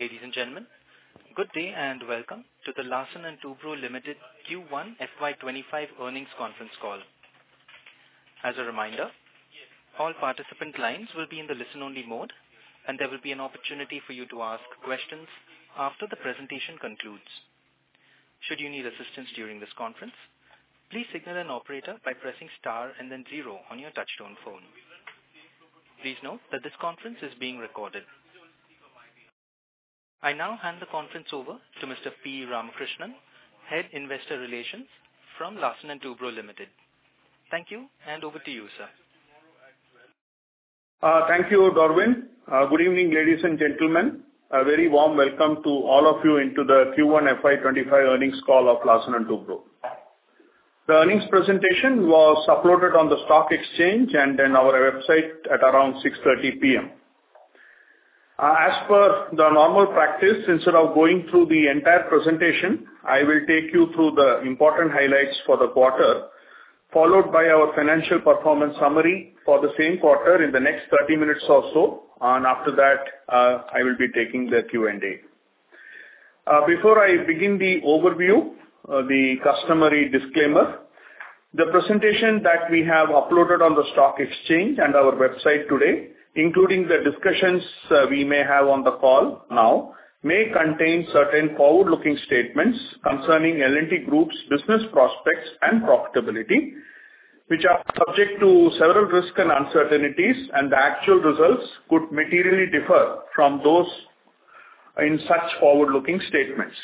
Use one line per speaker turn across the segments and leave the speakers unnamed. Ladies and gentlemen, good day and welcome to the Larsen & Toubro Limited Q1 FY25 earnings conference call. As a reminder, all participant lines will be in the listen-only mode, and there will be an opportunity for you to ask questions after the presentation concludes. Should you need assistance during this conference, please signal an operator by pressing star and then zero on your touch-tone phone. Please note that this conference is being recorded. I now hand the conference over to Mr. P. Ramakrishnan, Head Investor Relations from Larsen & Toubro Limited. Thank you, and over to you, sir.
Thank you, Darwin. Good evening, ladies and gentlemen. A very warm welcome to all of you into the Q1 FY25 earnings call of Larsen & Toubro. The earnings presentation was uploaded on the stock exchange and then our website at around 6:30 P.M. As per the normal practice, instead of going through the entire presentation, I will take you through the important highlights for the quarter, followed by our financial performance summary for the same quarter in the next 30 minutes or so. And after that, I will be taking the Q&A. Before I begin the overview, the customary disclaimer, the presentation that we have uploaded on the stock exchange and our website today, including the discussions we may have on the call now, may contain certain forward-looking statements concerning L&T Group's business prospects and profitability, which are subject to several risks and uncertainties, and the actual results could materially differ from those in such forward-looking statements.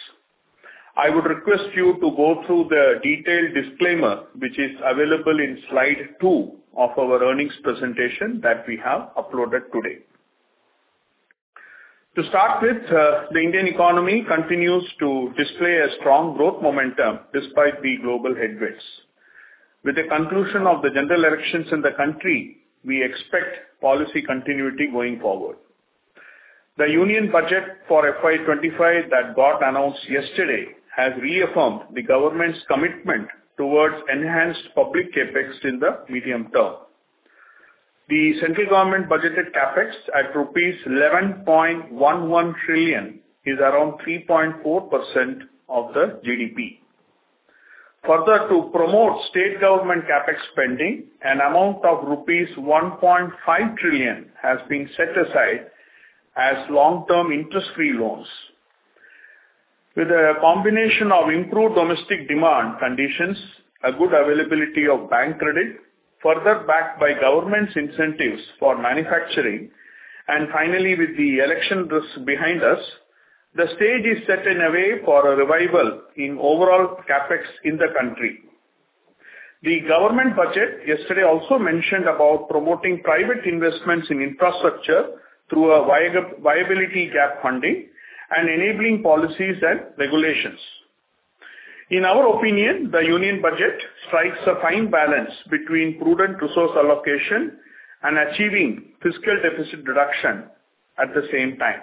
I would request you to go through the detailed disclaimer, which is available in slide two of our earnings presentation that we have uploaded today. To start with, the Indian economy continues to display a strong growth momentum despite the global headwinds. With the conclusion of the general elections in the country, we expect policy continuity going forward. The Union Budget for FY25 that got announced yesterday has reaffirmed the government's commitment towards enhanced public Capex in the medium term. The central government budgeted CapEx at ₹11.11 trillion, is around 3.4% of the GDP. Further, to promote state government CapEx spending, an amount of ₹1.5 trillion has been set aside as long-term interest-free loans. With a combination of improved domestic demand conditions, a good availability of bank credit, further backed by government's incentives for manufacturing, and finally, with the election risk behind us, the stage is set in a way for a revival in overall CapEx in the country. The government budget yesterday also mentioned about promoting private investments in infrastructure through a Viability Gap Funding and enabling policies and regulations. In our opinion, the Union Budget strikes a fine balance between prudent resource allocation and achieving fiscal deficit reduction at the same time.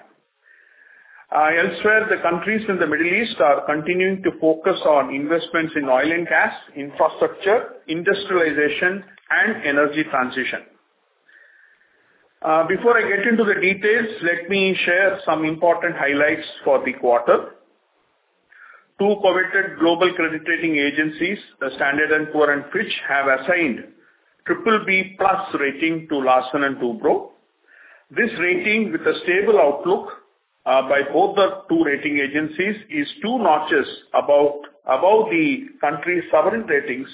Elsewhere, the countries in the Middle East are continuing to focus on investments in oil and gas, infrastructure, industrialization, and energy transition. Before I get into the details, let me share some important highlights for the quarter. Two coveted global credit rating agencies, Standard and Poor and Fitch, have assigned triple B plus rating to Larsen & Toubro. This rating, with a stable outlook by both the two rating agencies, is two notches above the country's sovereign ratings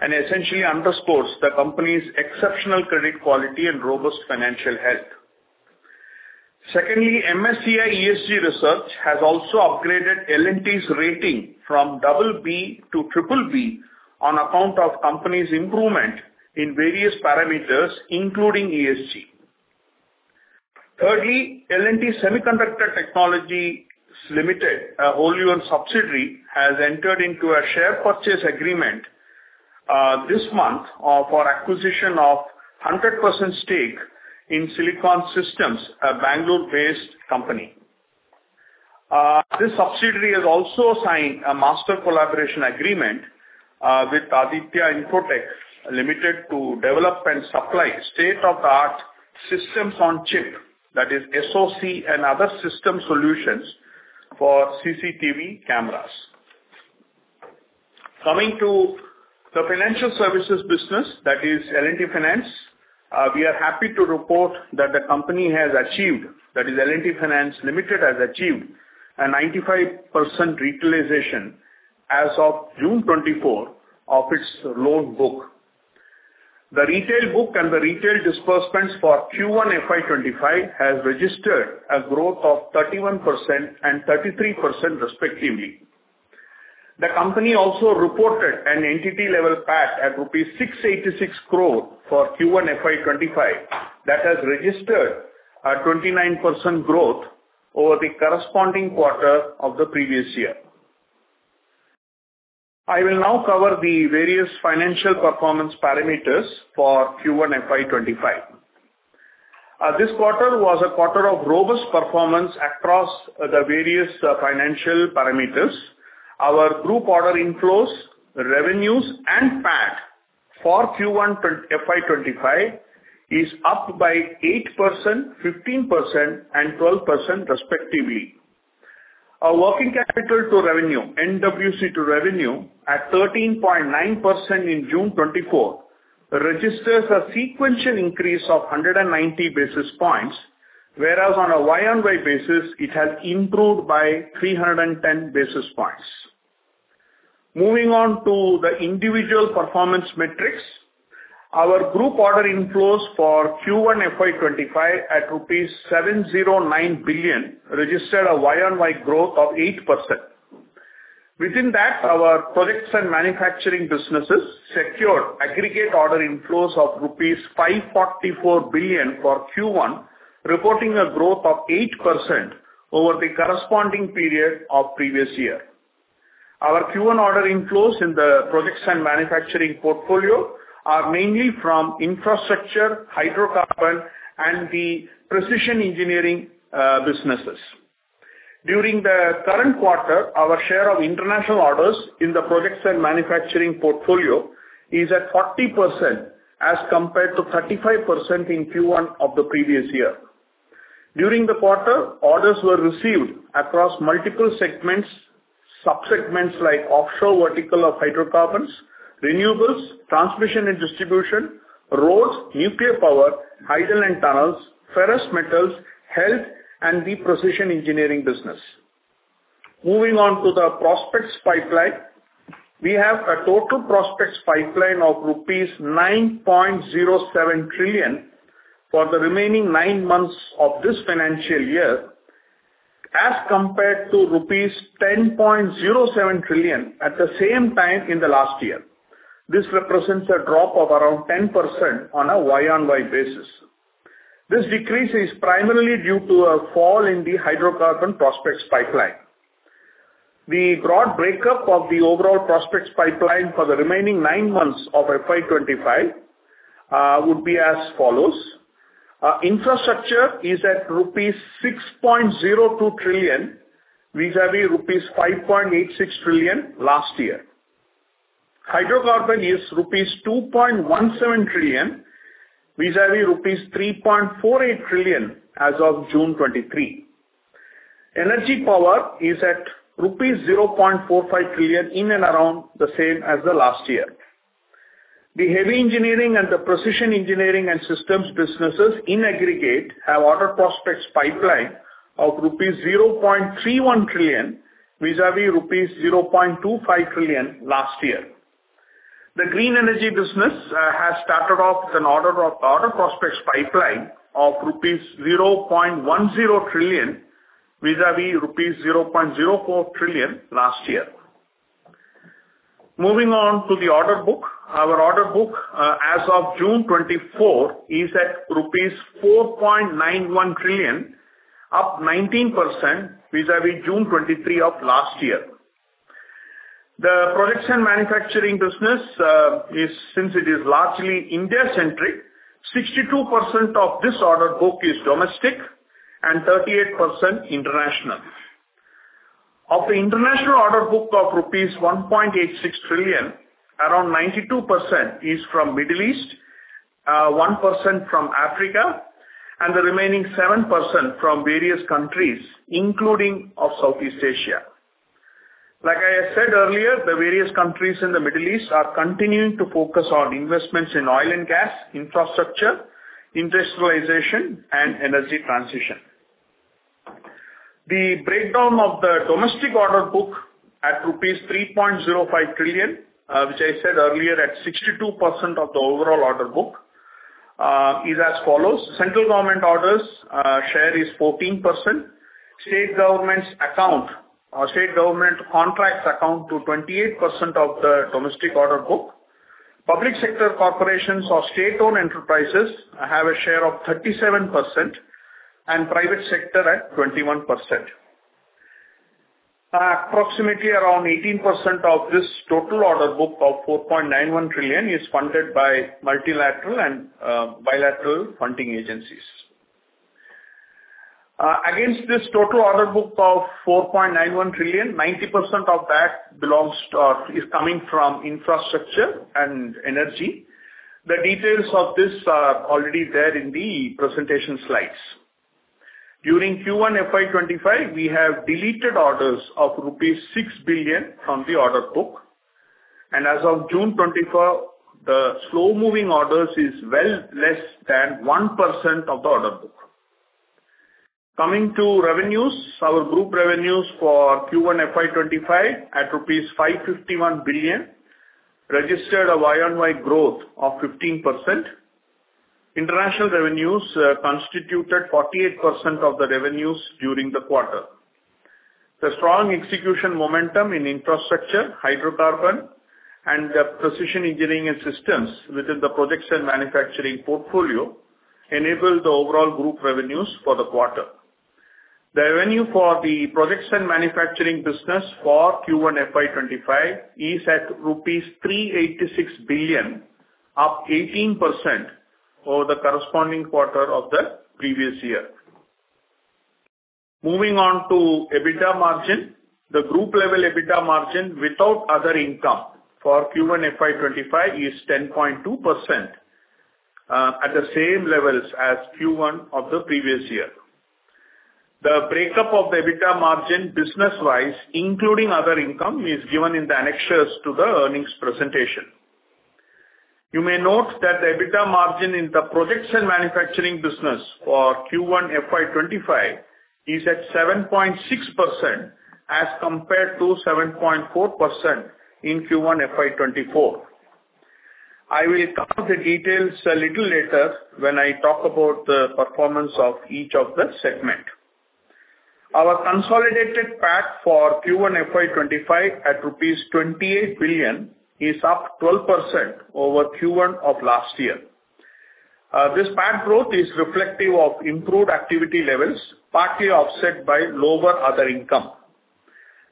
and essentially underscores the company's exceptional credit quality and robust financial health. Secondly, MSCI ESG Research has also upgraded L&T's rating from double B to triple B on account of company's improvement in various parameters, including ESG. Thirdly, L&T Semiconductor Technologies Limited, a wholly-owned subsidiary, has entered into a share purchase agreement this month for acquisition of 100% stake in SiliConch Systems, a Bangalore-based company. This subsidiary has also signed a master collaboration agreement with Aditya Infotech Limited to develop and supply state-of-the-art systems on chip, that is, SoC and other system solutions for CCTV cameras. Coming to the financial services business, that is, L&T Finance, we are happy to report that the company has achieved, that is, L&T Finance Limited has achieved a 95% utilization as of June 24 of its loan book. The retail book and the retail disbursements for Q1 FY25 have registered a growth of 31% and 33%, respectively. The company also reported an entity-level PAT at rupees 686 crore for Q1 FY25 that has registered a 29% growth over the corresponding quarter of the previous year. I will now cover the various financial performance parameters for Q1 FY25. This quarter was a quarter of robust performance across the various financial parameters. Our group order inflows, revenues, and PAT for Q1 FY25 are up by 8%, 15%, and 12%, respectively. Our working capital to revenue, NWC to revenue, at 13.9% in June 2024, registers a sequential increase of 190 basis points, whereas on a Y-on-Y basis, it has improved by 310 basis points. Moving on to the individual performance metrics, our group order inflows for Q1 FY25 at ₹709 billion registered a Y-on-Y growth of 8%. Within that, our products and manufacturing businesses secured aggregate order inflows of ₹544 billion for Q1, reporting a growth of 8% over the corresponding period of the previous year. Our Q1 order inflows in the products and manufacturing portfolio are mainly from infrastructure, hydrocarbon, and the precision engineering businesses. During the current quarter, our share of international orders in the products and manufacturing portfolio is at 40% as compared to 35% in Q1 of the previous year. During the quarter, orders were received across multiple segments, subsegments like offshore vertical of hydrocarbons, renewables, transmission and distribution, roads, nuclear power, hydrogen and tunnels, ferrous metals, health, and the precision engineering business. Moving on to the prospects pipeline, we have a total prospects pipeline of ₹9.07 trillion for the remaining nine months of this financial year as compared to ₹10.07 trillion at the same time in the last year. This represents a drop of around 10% on a Y-on-Y basis. This decrease is primarily due to a fall in the hydrocarbon prospects pipeline. The broad breakup of the overall prospects pipeline for the remaining nine months of FY25 would be as follows. Infrastructure is at rupees 6.02 trillion vis-à-vis rupees 5.86 trillion last year. Hydrocarbon is rupees 2.17 trillion vis-à-vis rupees 3.48 trillion as of June 2023. Energy power is at rupees 0.45 trillion in and around the same as the last year. The Heavy Engineering and the precision engineering and systems businesses in aggregate have ordered prospects pipeline of rupees 0.31 trillion vis-à-vis rupees 0.25 trillion last year. The green energy business has started off an order prospects pipeline of rupees 0.10 trillion vis-à-vis rupees 0.04 trillion last year. Moving on to the order book, our order book as of June 2024 is at rupees 4.91 trillion, up 19% vis-à-vis June 2023 of last year. The products and manufacturing business, since it is largely India-centric, 62% of this order book is domestic and 38% international. Of the international order book of ₹1.86 trillion, around 92% is from Middle East, 1% from Africa, and the remaining 7% from various countries, including Southeast Asia. Like I said earlier, the various countries in the Middle East are continuing to focus on investments in oil and gas, infrastructure, industrialization, and energy transition. The breakdown of the domestic order book at ₹3.05 trillion, which I said earlier at 62% of the overall order book, is as follows. Central government orders share is 14%. State government contracts account to 28% of the domestic order book. Public sector corporations or state-owned enterprises have a share of 37%, and private sector at 21%. Approximately around 18% of this total order book of ₹4.91 trillion is funded by multilateral and bilateral funding agencies. Against this total order book of ₹4.91 trillion, 90% of that is coming from infrastructure and energy. The details of this are already there in the presentation slides. During Q1 FY25, we have deleted orders of rupees 6 billion from the order book. And as of June 24, the slow-moving orders is well less than 1% of the order book. Coming to revenues, our group revenues for Q1 FY25 at rupees 551 billion registered a Y-on-Y growth of 15%. International revenues constituted 48% of the revenues during the quarter. The strong execution momentum in infrastructure, hydrocarbon, and the precision engineering and systems within the products and manufacturing portfolio enabled the overall group revenues for the quarter. The revenue for the products and manufacturing business for Q1 FY25 is at rupees 386 billion, up 18% over the corresponding quarter of the previous year. Moving on to EBITDA margin, the group-level EBITDA margin without other income for Q1 FY25 is 10.2%, at the same levels as Q1 of the previous year. The breakup of the EBITDA margin business-wise, including other income, is given in the annexes to the earnings presentation. You may note that the EBITDA margin in the products and manufacturing business for Q1 FY25 is at 7.6% as compared to 7.4% in Q1 FY24. I will cover the details a little later when I talk about the performance of each of the segments. Our consolidated PAT for Q1 FY25 at INR 28 billion is up 12% over Q1 of last year. This PAT growth is reflective of improved activity levels, partly offset by lower other income.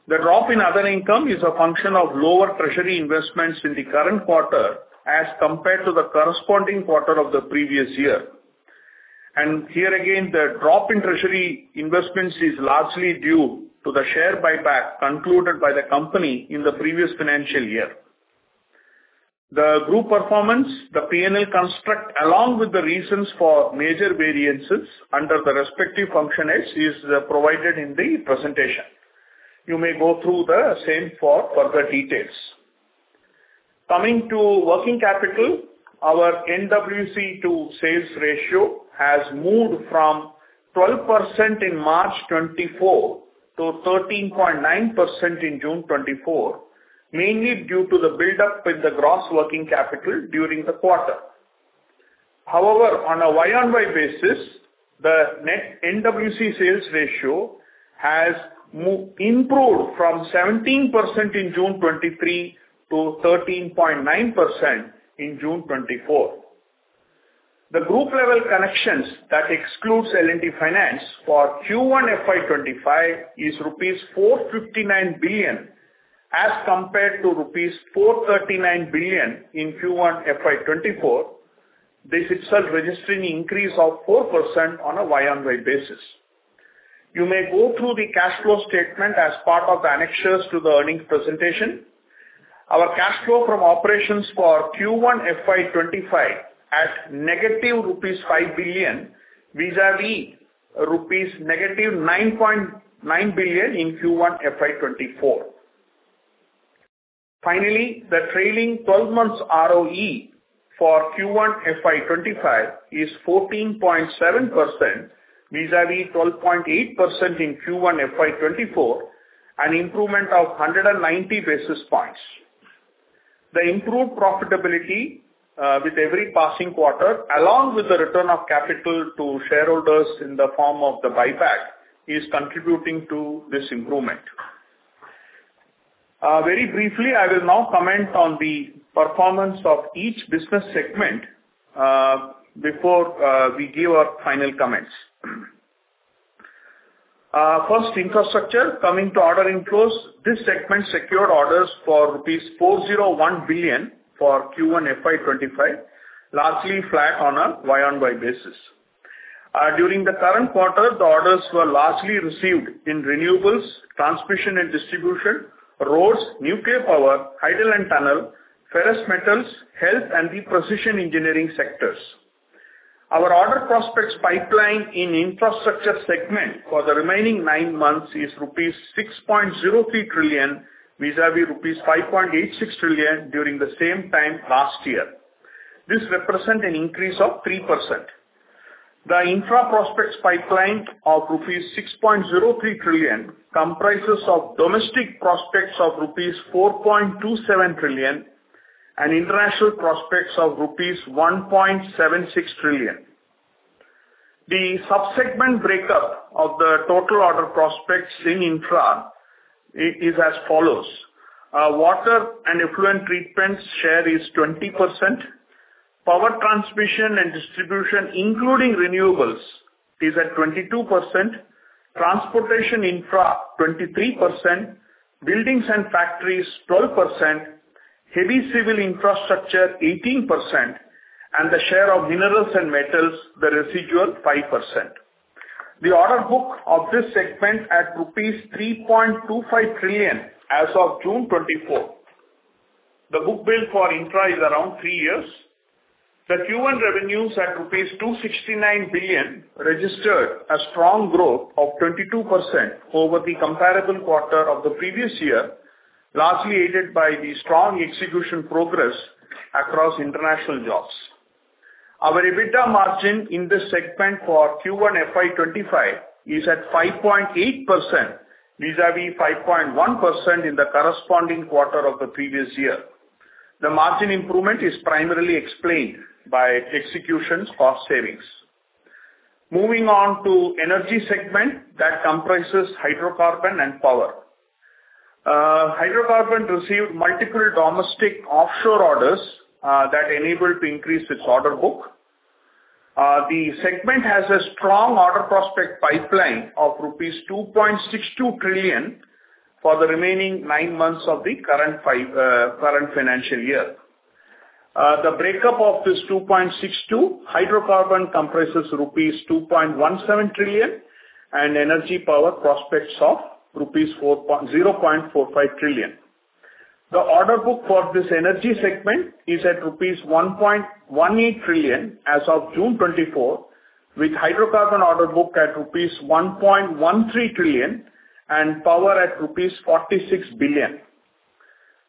The drop in other income is a function of lower treasury investments in the current quarter as compared to the corresponding quarter of the previous year. And here again, the drop in treasury investments is largely due to the share buyback concluded by the company in the previous financial year. The group performance, the P&L construct, along with the reasons for major variances under the respective functions, is provided in the presentation. You may go through the same for further details. Coming to working capital, our NWC to sales ratio has moved from 12% in March 2024 to 13.9% in June 2024, mainly due to the build-up in the gross working capital during the quarter. However, on a Y-on-Y basis, the net NWC sales ratio has improved from 17% in June 2023 to 13.9% in June 2024. The group-level collections that exclude L&T Finance for Q1 FY25 are ₹459 billion as compared to ₹439 billion in Q1 FY24, this itself registering an increase of 4% on a Y-on-Y basis. You may go through the cash flow statement as part of the annexes to the earnings presentation. Our cash flow from operations for Q1 FY25 is at 5 billion rupees vis-à-vis 9.9 billion rupees in Q1 FY24. Finally, the trailing 12-month ROE for Q1 FY25 is 14.7% vis-à-vis 12.8% in Q1 FY24, an improvement of 190 basis points. The improved profitability with every passing quarter, along with the return of capital to shareholders in the form of the buyback, is contributing to this improvement. Very briefly, I will now comment on the performance of each business segment before we give our final comments. First, infrastructure. Coming to order inflows, this segment secured orders for rupees 401 billion for Q1 FY25, largely flat on a Y-on-Y basis. During the current quarter, the orders were largely received in renewables, transmission and distribution, roads, nuclear power, hydrogen and tunnel, ferrous metals, health, and the precision engineering sectors. Our order prospects pipeline in infrastructure segment for the remaining nine months is rupees 6.03 trillion vis-à-vis rupees 5.86 trillion during the same time last year. This represents an increase of 3%. The infra prospects pipeline of rupees 6.03 trillion comprises domestic prospects of rupees 4.27 trillion and international prospects of rupees 1.76 trillion. The subsegment breakup of the total order prospects in infra is as follows. Water and effluent treatment share is 20%. Power transmission and distribution, including renewables, is at 22%. Transportation infra is 23%. Buildings and factories are 12%. Heavy civil infrastructure is 18%. The share of minerals and metals, the residual, is 5%. The order book of this segment is at rupees 3.25 trillion as of June 24. The book build for infra is around three years. The Q1 revenues are ₹269 billion, registered a strong growth of 22% over the comparable quarter of the previous year, largely aided by the strong execution progress across international jobs. Our EBITDA margin in this segment for Q1 FY25 is at 5.8% vis-à-vis 5.1% in the corresponding quarter of the previous year. The margin improvement is primarily explained by execution cost savings. Moving on to the Energy segment that comprises hydrocarbon and power. Hydrocarbon received multiple domestic offshore orders that enabled to increase its order book. The segment has a strong order prospect pipeline of ₹2.62 trillion for the remaining nine months of the current financial year. The breakup of this ₹2.62 hydrocarbon comprises ₹2.17 trillion and energy power prospects of ₹0.45 trillion. The order book for this Energy segment is at ₹1.18 trillion as of June 24, with hydrocarbon order book at ₹1.13 trillion and power at ₹46 billion.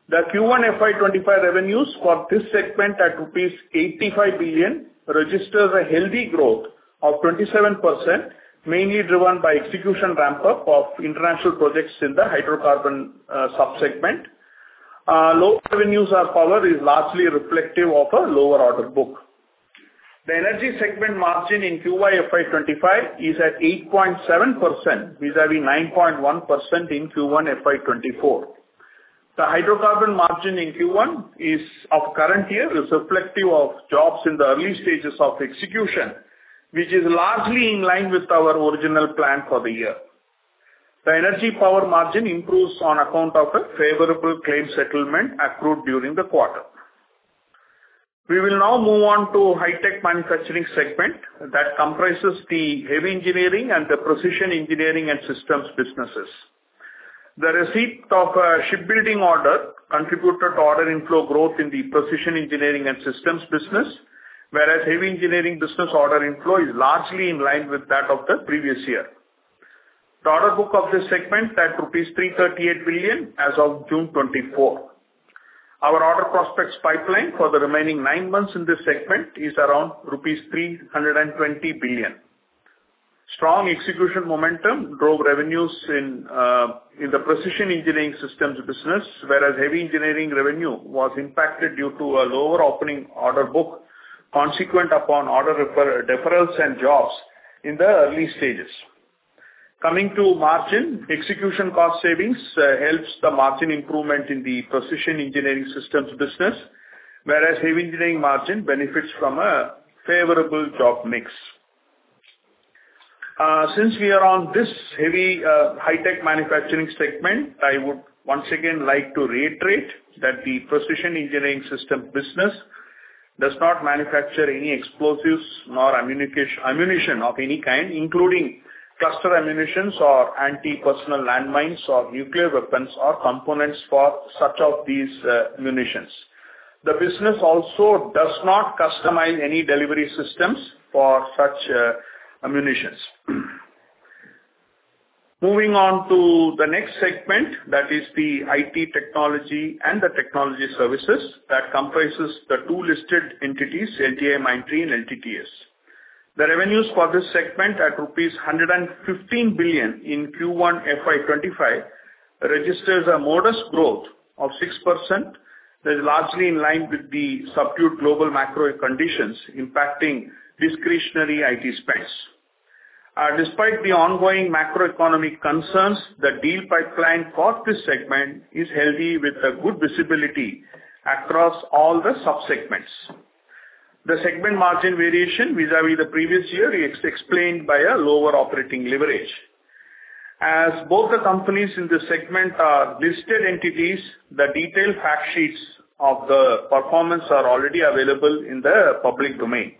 The Q1 FY25 revenues for this segment are rupees 85 billion, registering a healthy growth of 27%, mainly driven by execution ramp-up of international projects in the hydrocarbon subsegment. Lower revenues are power, which is largely reflective of a lower order book. The Energy segment margin in Q1 FY25 is at 8.7% vis-à-vis 9.1% in Q1 FY24. The hydrocarbon margin in Q1 of current year is reflective of jobs in the early stages of execution, which is largely in line with our original plan for the year. The energy power margin improves on account of a favorable claim settlement accrued during the quarter. We will now move on to the high-tech manufacturing segment that comprises the Heavy Engineering and the precision engineering and systems businesses. The receipt of a shipbuilding order contributed to order inflow growth in the precision engineering and systems business, whereas Heavy Engineering business order inflow is largely in line with that of the previous year. The order book of this segment is at rupees 338 billion as of June 24. Our order prospects pipeline for the remaining nine months in this segment is around rupees 320 billion. Strong execution momentum drove revenues in the precision engineering systems business, whereas Heavy Engineering revenue was impacted due to a lower opening order book consequent upon order deferrals and jobs in the early stages. Coming to margin, execution cost savings helps the margin improvement in the precision engineering systems business, whereas Heavy Engineering margin benefits from a favorable job mix. Since we are on this heavy high-tech manufacturing segment, I would once again like to reiterate that the precision engineering systems business does not manufacture any explosives nor ammunition of any kind, including cluster ammunitions or anti-personnel landmines or nuclear weapons or components for such ammunitions. The business also does not customize any delivery systems for such ammunitions. Moving on to the next segment, that is the IT technology and the technology services that comprises the two listed entities, LTIMindtree and LTTS. The revenues for this segment are ₹115 billion in Q1 FY25, registers a modest growth of 6%. This is largely in line with the subdued global macro conditions impacting discretionary IT spends. Despite the ongoing macroeconomic concerns, the deal pipeline for this segment is healthy with good visibility across all the subsegments. The segment margin variation vis-à-vis the previous year is explained by a lower operating leverage. As both the companies in this segment are listed entities, the detailed fact sheets of the performance are already available in the public domain.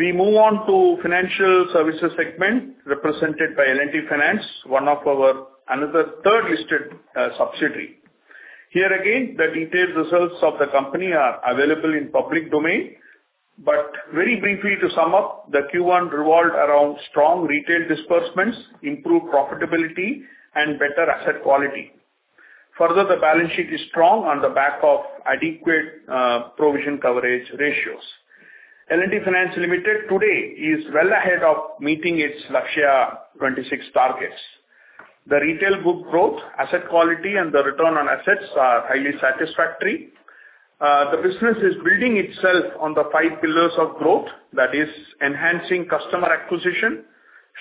We move on to the financial services segment, represented by L&T Finance, one of our other third-listed subsidiaries. Here again, the detailed results of the company are available in the public domain. But very briefly, to sum up, the Q1 revolved around strong retail disbursements, improved profitability, and better asset quality. Further, the balance sheet is strong on the back of adequate provision coverage ratios. L&T Finance Limited today is well ahead of meeting its Lakshya 2026 targets. The retail book growth, asset quality, and the return on assets are highly satisfactory. The business is building itself on the five pillars of growth, that is, enhancing customer acquisition,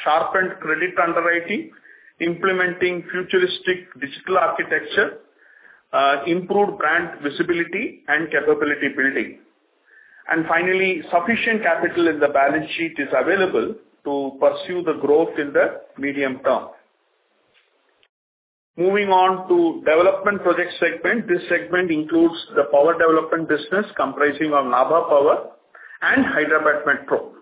sharpened credit underwriting, implementing futuristic digital architecture, improved brand visibility, and capability building. And finally, sufficient capital in the balance sheet is available to pursue the growth in the medium term. Moving on to the development project segment, this segment includes the power development business comprising of Nabha Power and Hyderabad Metro.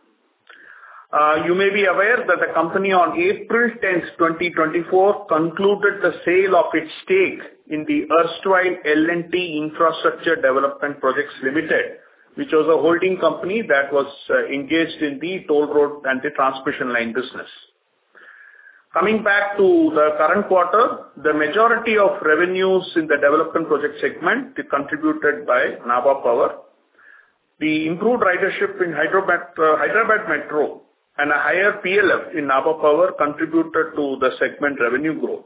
You may be aware that the company on April 10, 2024, concluded the sale of its stake in the erstwhile L&T Infrastructure Development Projects Limited, which was a holding company that was engaged in the toll road and the transmission line business. Coming back to the current quarter, the majority of revenues in the development project segment contributed by Nabha Power. The improved ridership in Hyderabad Metro and a higher PLF in Nabha Power contributed to the segment revenue growth,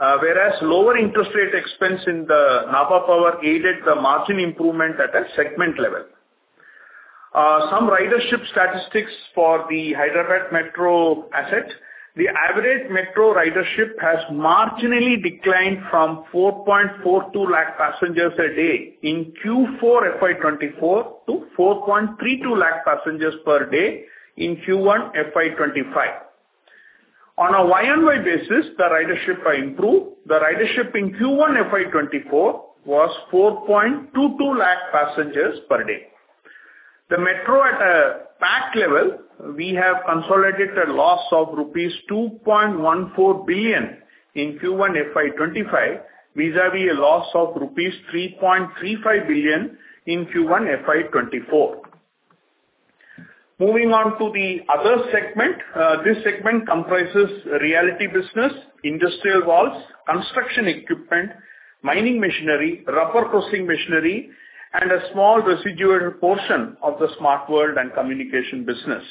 whereas lower interest rate expense in Nabha Power aided the margin improvement at a segment level. Some ridership statistics for the Hyderabad Metro asset: the average Metro ridership has marginally declined from 4.42 lakh passengers a day in Q4 FY24 to 4.32 lakh passengers per day in Q1 FY25. On a Y-on-Y basis, the ridership improved. The ridership in Q1 FY24 was 4.22 lakh passengers per day. The Metro, at a packed level, we have consolidated a loss of rupees 2.14 billion in Q1 FY25 vis-à-vis a loss of rupees 3.35 billion in Q1 FY24. Moving on to the other segment, this segment comprises realty business, industrial valves, construction equipment, mining machinery, rubber processing machinery, and a small residual portion of the smart world and communication business.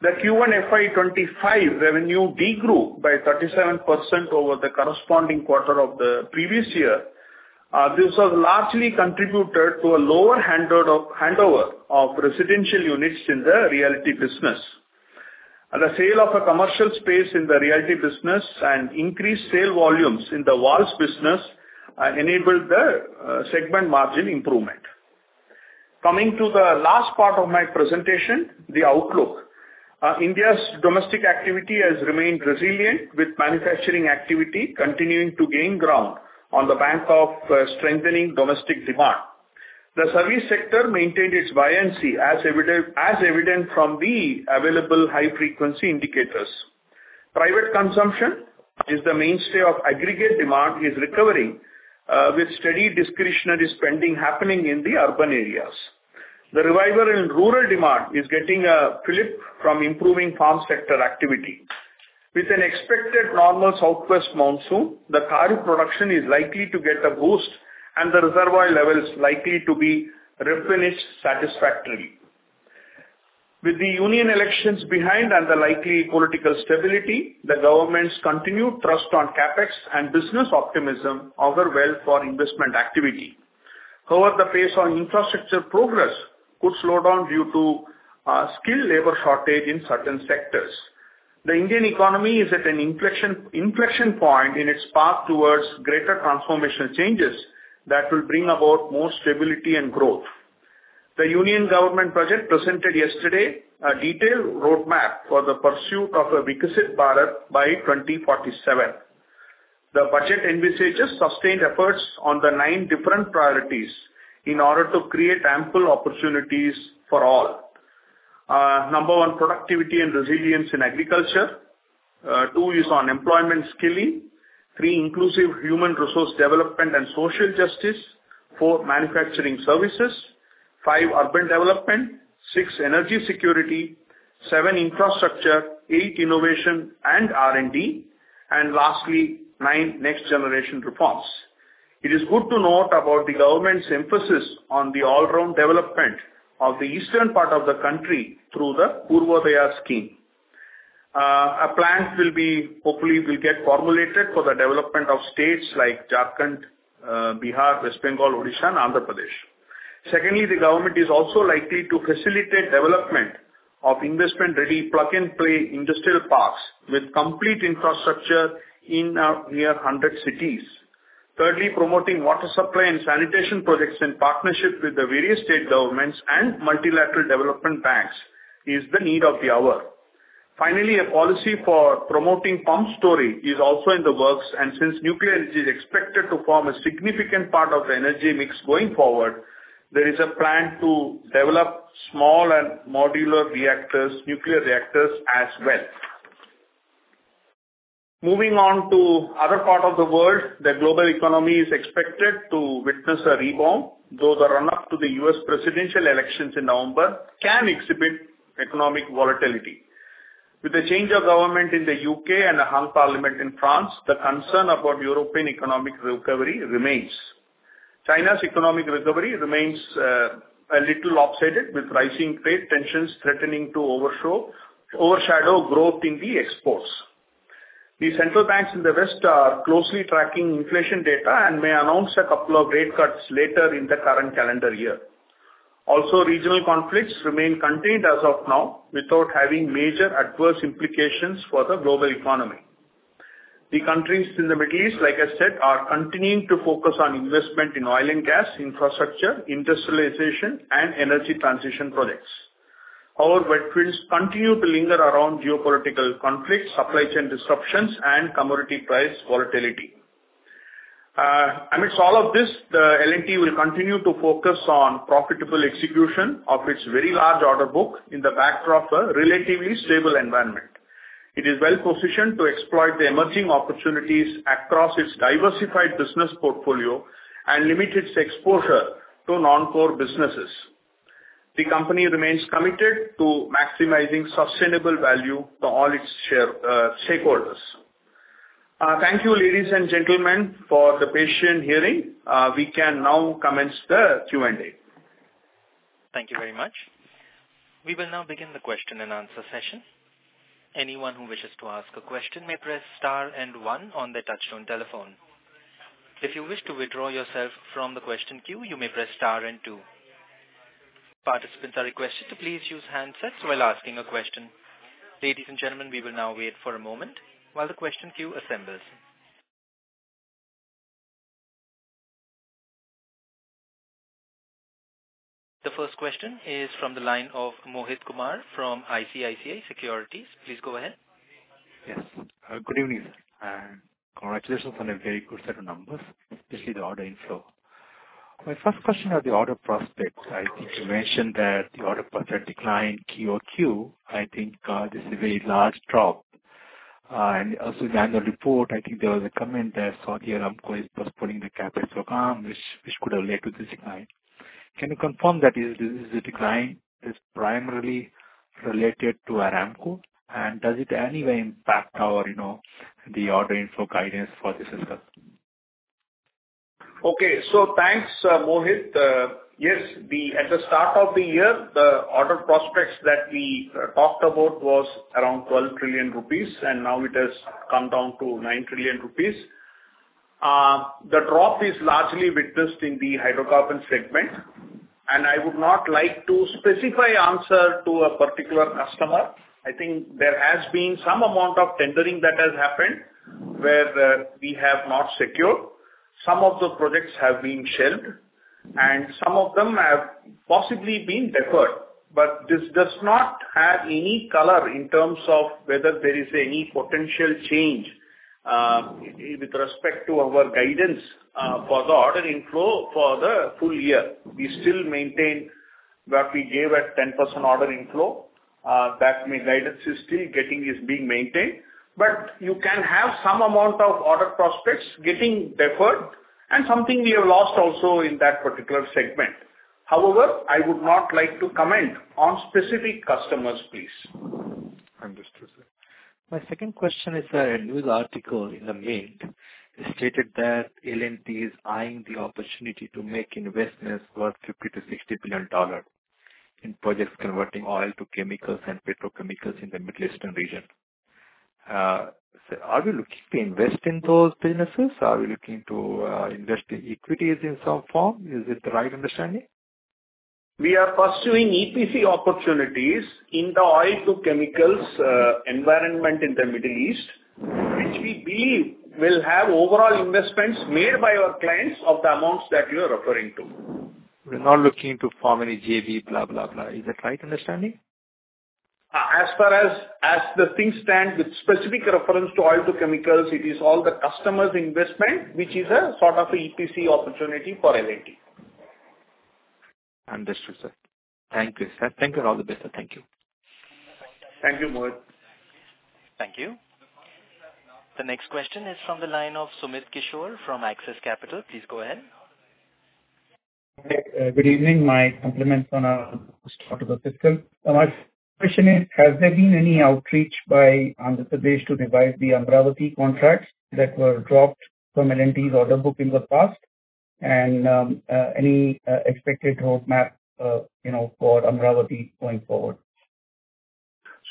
The Q1 FY25 revenue degrew by 37% over the corresponding quarter of the previous year. This has largely contributed to a lower handover of residential units in the realty business. The sale of commercial space in the realty business and increased sales volumes in the realty business enabled the segment margin improvement. Coming to the last part of my presentation, the outlook: India's domestic activity has remained resilient, with manufacturing activity continuing to gain ground on the back of strengthening domestic demand. The service sector maintained its buoyancy, as evident from the available high-frequency indicators. Private consumption is the mainstay of aggregate demand, recovering with steady discretionary spending happening in the urban areas. The revival in rural demand is getting a fillip from improving farm sector activity. With an expected normal southwest monsoon, the kharif production is likely to get a boost, and the reservoir level is likely to be replenished satisfactorily. With the union elections behind and the likely political stability, the government's continued thrust on CapEx and business optimism bode well for investment activity. However, the pace of infrastructure progress could slow down due to skilled labor shortage in certain sectors. The Indian economy is at an inflection point in its path towards greater transformational changes that will bring about more stability and growth. The Union Budget presented yesterday a detailed roadmap for the pursuit of Viksit Bharat by 2047. The Budget has sustained efforts on the nine different priorities in order to create ample opportunities for all. Number one: productivity and resilience in agriculture. Two: employment skilling. Three: inclusive human resource development and social justice. Four: manufacturing services. Five: urban development. Six: energy security. Seven: infrastructure. Eight: innovation and R&D. And lastly, nine: next-generation reforms. It is good to note about the government's emphasis on the all-round development of the eastern part of the country through the Purvodaya scheme. A plan will hopefully get formulated for the development of states like Jharkhand, Bihar, West Bengal, Odisha, and Andhra Pradesh. Secondly, the government is also likely to facilitate the development of investment-ready plug-and-play industrial parks with complete infrastructure in near 100 cities. Thirdly, promoting water supply and sanitation projects in partnership with the various state governments and multilateral development banks is the need of the hour. Finally, a policy for promoting pumped storage is also in the works, and since nuclear energy is expected to form a significant part of the energy mix going forward, there is a plan to develop small modular nuclear reactors as well. Moving on to the other part of the world, the global economy is expected to witness a rebound, though the run-up to the U.S. presidential elections in November can exhibit economic volatility. With the change of government in the U.K. and a hung parliament in France, the concern about European economic recovery remains. China's economic recovery remains a little off-sided with rising trade tensions threatening to overshadow growth in the exports. The central banks in the West are closely tracking inflation data and may announce a couple of rate cuts later in the current calendar year. Also, regional conflicts remain contained as of now without having major adverse implications for the global economy. The countries in the Middle East, like I said, are continuing to focus on investment in oil and gas, infrastructure, industrialization, and energy transition projects. However, headwinds continue to linger around geopolitical conflicts, supply chain disruptions, and commodity price volatility. Amidst all of this, the L&T will continue to focus on profitable execution of its very large order book in the backdrop of a relatively stable environment. It is well positioned to exploit the emerging opportunities across its diversified business portfolio and limit its exposure to non-core businesses. The company remains committed to maximizing sustainable value for all its stakeholders. Thank you, ladies and gentlemen, for the patient hearing. We can now commence the Q&A.
Thank you very much. We will now begin the question and answer session. Anyone who wishes to ask a question may press star and one on the touch-tone telephone. If you wish to withdraw yourself from the question queue, you may press star and two. Participants are requested to please use handsets while asking a question. Ladies and gentlemen, we will now wait for a moment while the question queue assembles. The first question is from the line of Mohit Kumar from ICICI Securities. Please go ahead.
Yes. Good evening. Congratulations on a very good set of numbers, especially the order inflow. My first question is the order prospect. I think you mentioned that the order prospect declined QOQ. I think this is a very large drop. And also in the annual report, I think there was a comment that Saudi Aramco is postponing the CapEx program, which could have led to this decline. Can you confirm that this decline is primarily related to Aramco? And does it in any way impact the order inflow guidance for this asset?
Okay. So thanks, Mohit. Yes, at the start of the year, the order prospects that we talked about were around ₹12 trillion, and now it has come down to ₹9 trillion. The drop is largely witnessed in the hydrocarbon segment. And I would not like to specify the answer to a particular customer. I think there has been some amount of tendering that has happened where we have not secured. Some of the projects have been shelved, and some of them have possibly been deferred. But this does not have any color in terms of whether there is any potential change with respect to our guidance for the order inflow for the full year. We still maintain what we gave at 10% order inflow. That guidance is still being maintained. But you can have some amount of order prospects getting deferred, and something we have lost also in that particular segment. However, I would not like to comment on specific customers, please. Understood. My second question is a news article in the Mint. It stated that L&T is eyeing the opportunity to make investments worth $50-$60 billion in projects converting oil to chemicals and petrochemicals in the Middle Eastern region. Are we looking to invest in those businesses?
Are we looking to invest in equities in some form? Is it the right understanding? We are pursuing EPC opportunities in the oil to chemicals environment in the Middle East, which we believe will have overall investments made by our clients of the amounts that you are referring to. We're not looking to form any JV, blah, blah, blah. Is that right understanding? As far as the things stand, with specific reference to oil to chemicals, it is all the customers' investment, which is a sort of EPC opportunity for L&T.
Understood, sir. Thank you, sir. Thank you. All the best. Thank you.
Thank you, Mohit. Thank you. The next question is from the line of Sumit Kishore from Axis Capital. Please go ahead.
Good evening. My compliments on our start of the fiscal. My question is, has there been any outreach by Andhra Pradesh to revise the Amaravati contracts that were dropped from L&T's order book in the past? And any expected roadmap for Amaravati going forward?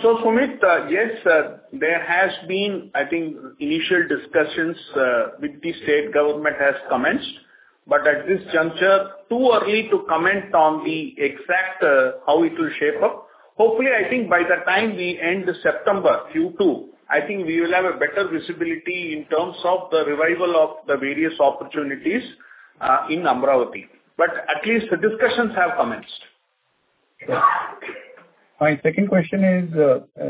So, Sumit, yes, there has been, I think, initial discussions with the state government has commenced. But at this juncture, too early to comment on the exact how it will shape up. Hopefully, I think by the time we end September Q2, I think we will have a better visibility in terms of the revival of the various opportunities in Amaravati. But at least the discussions have commenced.
My second question is,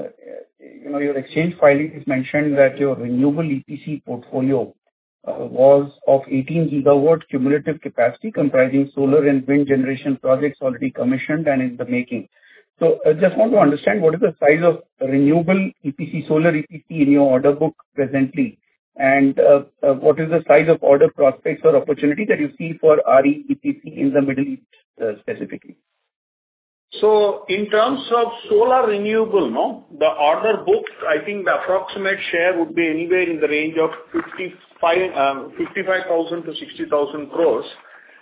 your exchange filing has mentioned that your renewable EPC portfolio was of 18 gigawatt cumulative capacity, comprising solar and wind generation projects already commissioned and in the making. So I just want to understand what is the size of renewable EPC, solar EPC in your order book presently, and what is the size of order prospects or opportunity that you see for RE EPC in the Middle East specifically?
So in terms of solar renewable, the order book, I think the approximate share would be anywhere in the range of ₹55,000 crore-₹60,000 crore.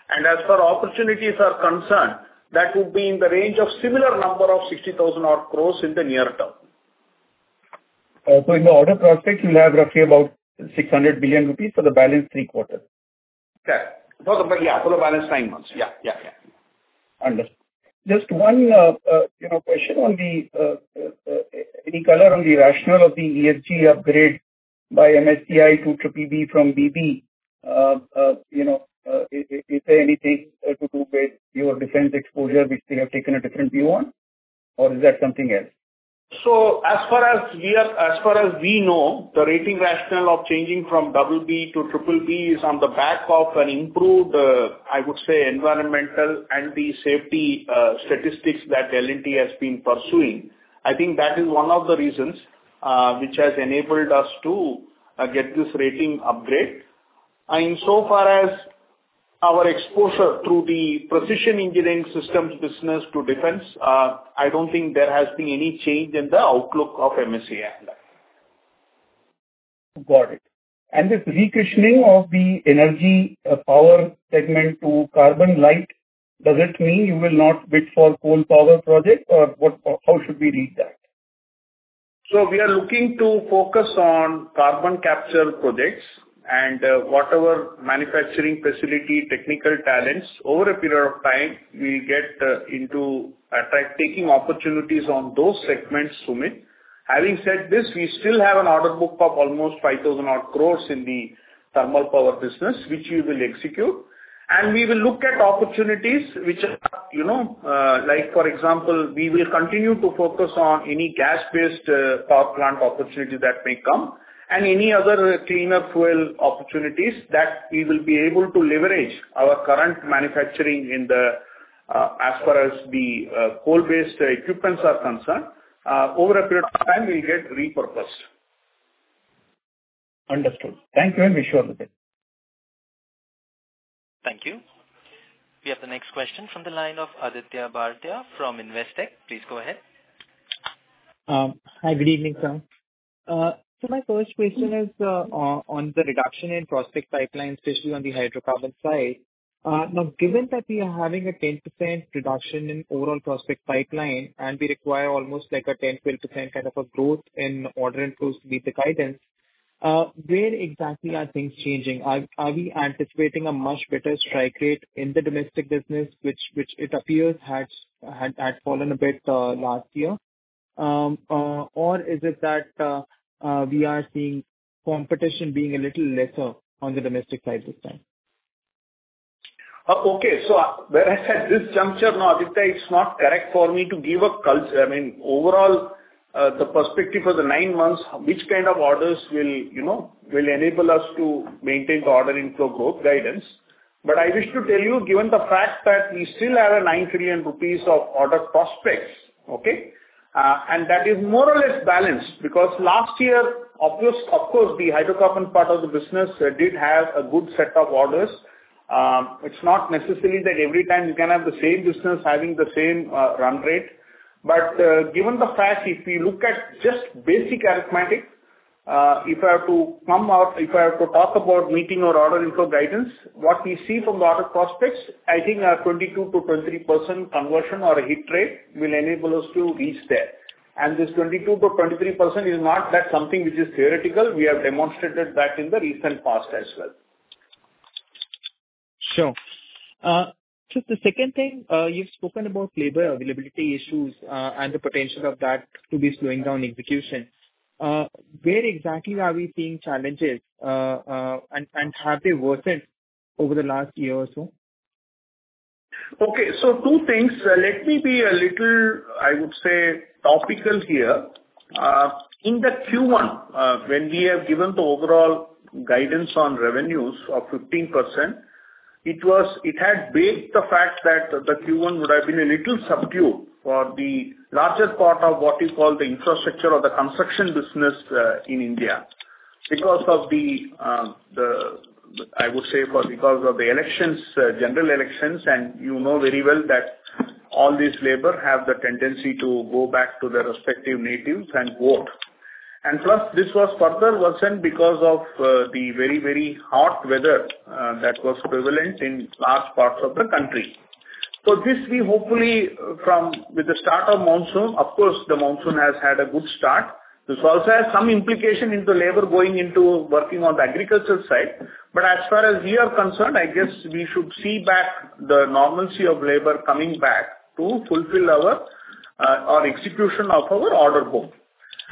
And as far as opportunities are concerned, that would be in the range of a similar number of ₹60,000 crore in the near term.
So in the order prospect, you have roughly about ₹600 billion for the balance three quarters?
Yeah, for the balance nine months. Yeah, yeah, yeah.
Understood. Just one question on the color on the rationale of the ESG upgrade by MSCI to BB from BB. Is there anything to do with your defense exposure, which they have taken a different view on? Or is that something else?
As far as we know, the rating rationale of changing from BB to BBB is on the back of an improved, I would say, environmental and the safety statistics that L&T has been pursuing. I think that is one of the reasons which has enabled us to get this rating upgrade. Insofar as our exposure through the precision engineering systems business to defense, I don't think there has been any change in the outlook of MSCI and that.
Got it. And this reconditioning of the energy power segment to carbon light, does it mean you will not bid for coal power projects? Or how should we read that?
So we are looking to focus on carbon capture projects and whatever manufacturing facility technical talents over a period of time will get into taking opportunities on those segments, Sumit. Having said this, we still have an order book of almost 5,000 crores in the thermal power business, which we will execute. And we will look at opportunities which are, like for example, we will continue to focus on any gas-based power plant opportunity that may come and any other cleaner fuel opportunities that we will be able to leverage our current manufacturing in. As far as the coal-based equipment are concerned over a period of time will get repurposed.
Understood. Thank you, and wish you all the best.
Thank you. We have the next question from the line of Aditya Bhartia from Investec. Please go ahead.
Hi, good evening, sir. My first question is on the reduction in prospect pipelines, especially on the hydrocarbon side. Now, given that we are having a 10% reduction in overall prospect pipeline and we require almost like a 10%-12% kind of a growth in order inflows to meet the guidance, where exactly are things changing? Are we anticipating a much better strike rate in the domestic business, which it appears had fallen a bit last year? Or is it that we are seeing competition being a little lesser on the domestic side this time?
Okay. So as I said at this juncture, no, Aditya, it's not correct for me to give a colour. I mean, overall, the prospects for the nine months, which kind of orders will enable us to maintain the order inflow growth guidance? But I wish to tell you, given the fact that we still have a ₹9 trillion of order prospects, okay? And that is more or less balanced because last year, of course, the hydrocarbon part of the business did have a good set of orders. It's not necessary that every time you can have the same business having the same run rate. But given the fact, if you look at just basic arithmetic, if I have to come out, if I have to talk about meeting our order inflow guidance, what we see from the order prospects, I think a 22%-23% conversion or a hit rate will enable us to reach there. And this 22%-23% is not that something which is theoretical. We have demonstrated that in the recent past as well. Sure.
Just the second thing, you've spoken about labor availability issues and the potential of that to be slowing down execution. Where exactly are we seeing challenges? And have they worsened over the last year or so?
Okay. So two things. Let me be a little, I would say, topical here. In the Q1, when we have given the overall guidance on revenues of 15%, it had baked the fact that the Q1 would have been a little subdued for the larger part of what we call the infrastructure of the construction business in India because of the, I would say, because of the general elections. And you know very well that all this labor have the tendency to go back to their respective natives and vote. And plus, this was further worsened because of the very, very hot weather that was prevalent in large parts of the country. So, this we hopefully, with the start of monsoon, of course, the monsoon has had a good start. This also has some implication into labor going into working on the agriculture side. But as far as we are concerned, I guess we should see back the normalcy of labor coming back to fulfill our execution of our order book.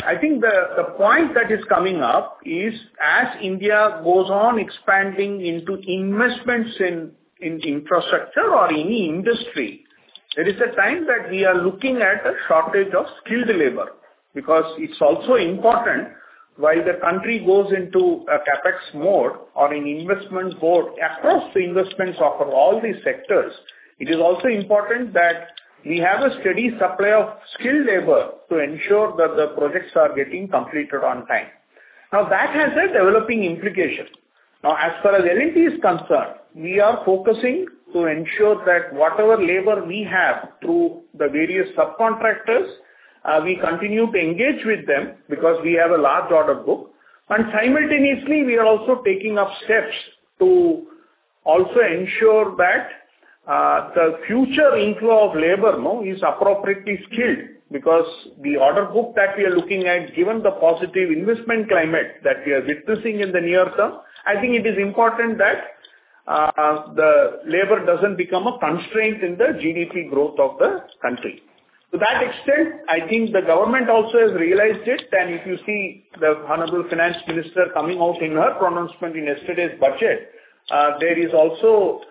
I think the point that is coming up is as India goes on expanding into investments in infrastructure or any industry, there is a time that we are looking at a shortage of skilled labor because it's also important while the country goes into a CapEx mode or an investment board across the investments of all these sectors, it is also important that we have a steady supply of skilled labor to ensure that the projects are getting completed on time. Now, that has a developing implication. Now, as far as L&T is concerned, we are focusing to ensure that whatever labor we have through the various subcontractors, we continue to engage with them because we have a large order book, and simultaneously, we are also taking up steps to also ensure that the future inflow of labor is appropriately skilled because the order book that we are looking at, given the positive investment climate that we are witnessing in the near term, I think it is important that the labor doesn't become a constraint in the GDP growth of the country. To that extent, I think the government also has realized it, and if you see the Honorable Finance Minister coming out in her pronouncement in yesterday's budget, there is also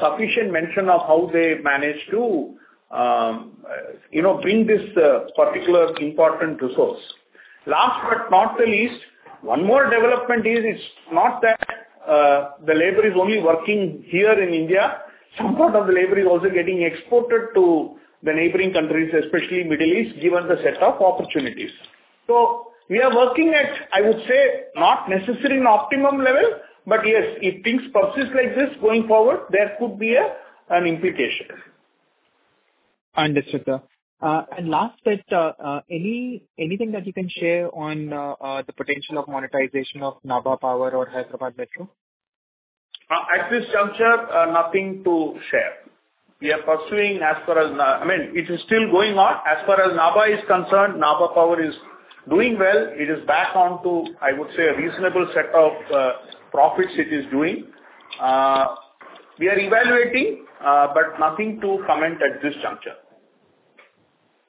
sufficient mention of how they managed to bring this particular important resource. Last but not the least, one more development is it's not that the labor is only working here in India. Some part of the labor is also getting exported to the neighboring countries, especially Middle East, given the set of opportunities. So we are working at, I would say, not necessarily an optimum level. But yes, if things persist like this going forward, there could be an implication. Understood, sir. And last bit, anything that you can share on the potential of monetization of Nabha Power or Hyderabad Metro? At this juncture, nothing to share. We are pursuing as far as I mean, it is still going on. As far as Nabha is concerned, Nabha Power is doing well. It is back on to, I would say, a reasonable set of profits it is doing. We are evaluating, but nothing to comment at this juncture.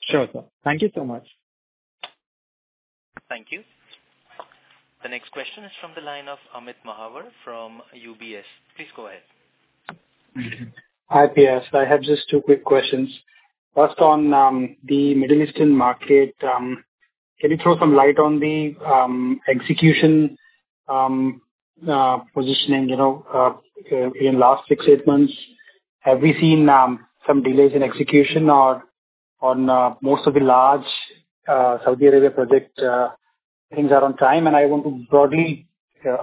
Sure, sir. Thank you so much.
Thank you. The next question is from the line of Amit Mahawar from UBS. Please go ahead.
Hi, PS. I have just two quick questions. First, on the Middle Eastern market, can you throw some light on the execution positioning in the last six-to-eight months? Have we seen some delays in execution on most of the large Saudi Arabia project? Things are on time, and I want to broadly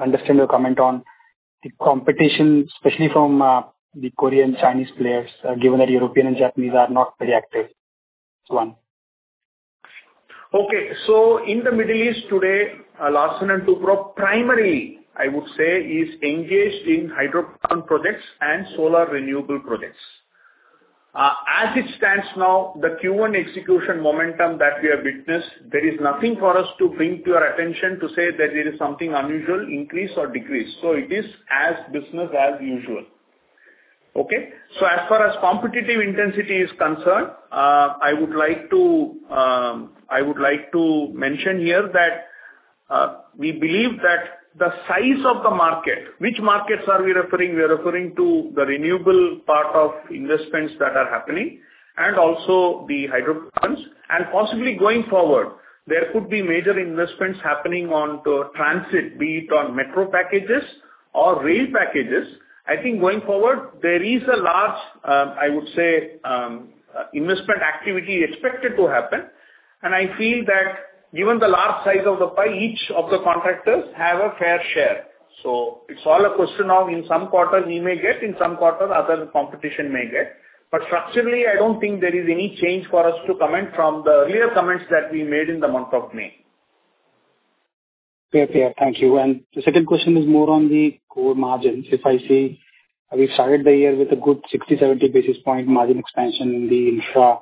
understand your comment on the competition, especially from the Korean and Chinese players, given that European and Japanese are not very active. That's one.
Okay. So in the Middle East today, Larsen & Toubro primarily, I would say, is engaged in hydropower projects and solar renewable projects. As it stands now, the Q1 execution momentum that we have witnessed, there is nothing for us to bring to your attention to say that there is something unusual, increase or decrease. So it is as business as usual. Okay? So as far as competitive intensity is concerned, I would like to mention here that we believe that the size of the market, which markets are we referring? We are referring to the renewable part of investments that are happening and also the hydropower plants. And possibly going forward, there could be major investments happening on transit, be it on metro packages or rail packages. I think going forward, there is a large, I would say, investment activity expected to happen. And I feel that given the large size of the pie, each of the contractors have a fair share. So, it's all a question of in some quarter we may get, in some quarter other competition may get. But structurally, I don't think there is any change for us to comment from the earlier comments that we made in the month of May.
Clear, clear. Thank you. And the second question is more on the core margins. If I see we've started the year with a good 60-70 basis point margin expansion in the infra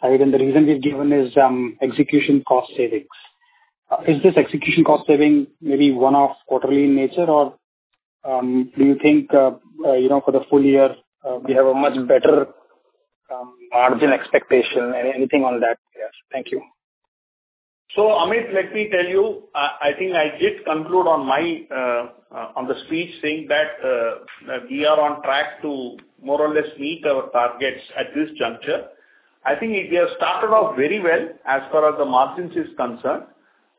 side. And the reason we've given is execution cost savings. Is this execution cost saving maybe one-off quarterly in nature, or do you think for the full year we have a much better margin expectation? Anything on that, PS? Thank you.
So Amit, let me tell you, I think I did conclude on the speech saying that we are on track to more or less meet our targets at this juncture. I think we have started off very well as far as the margins are concerned.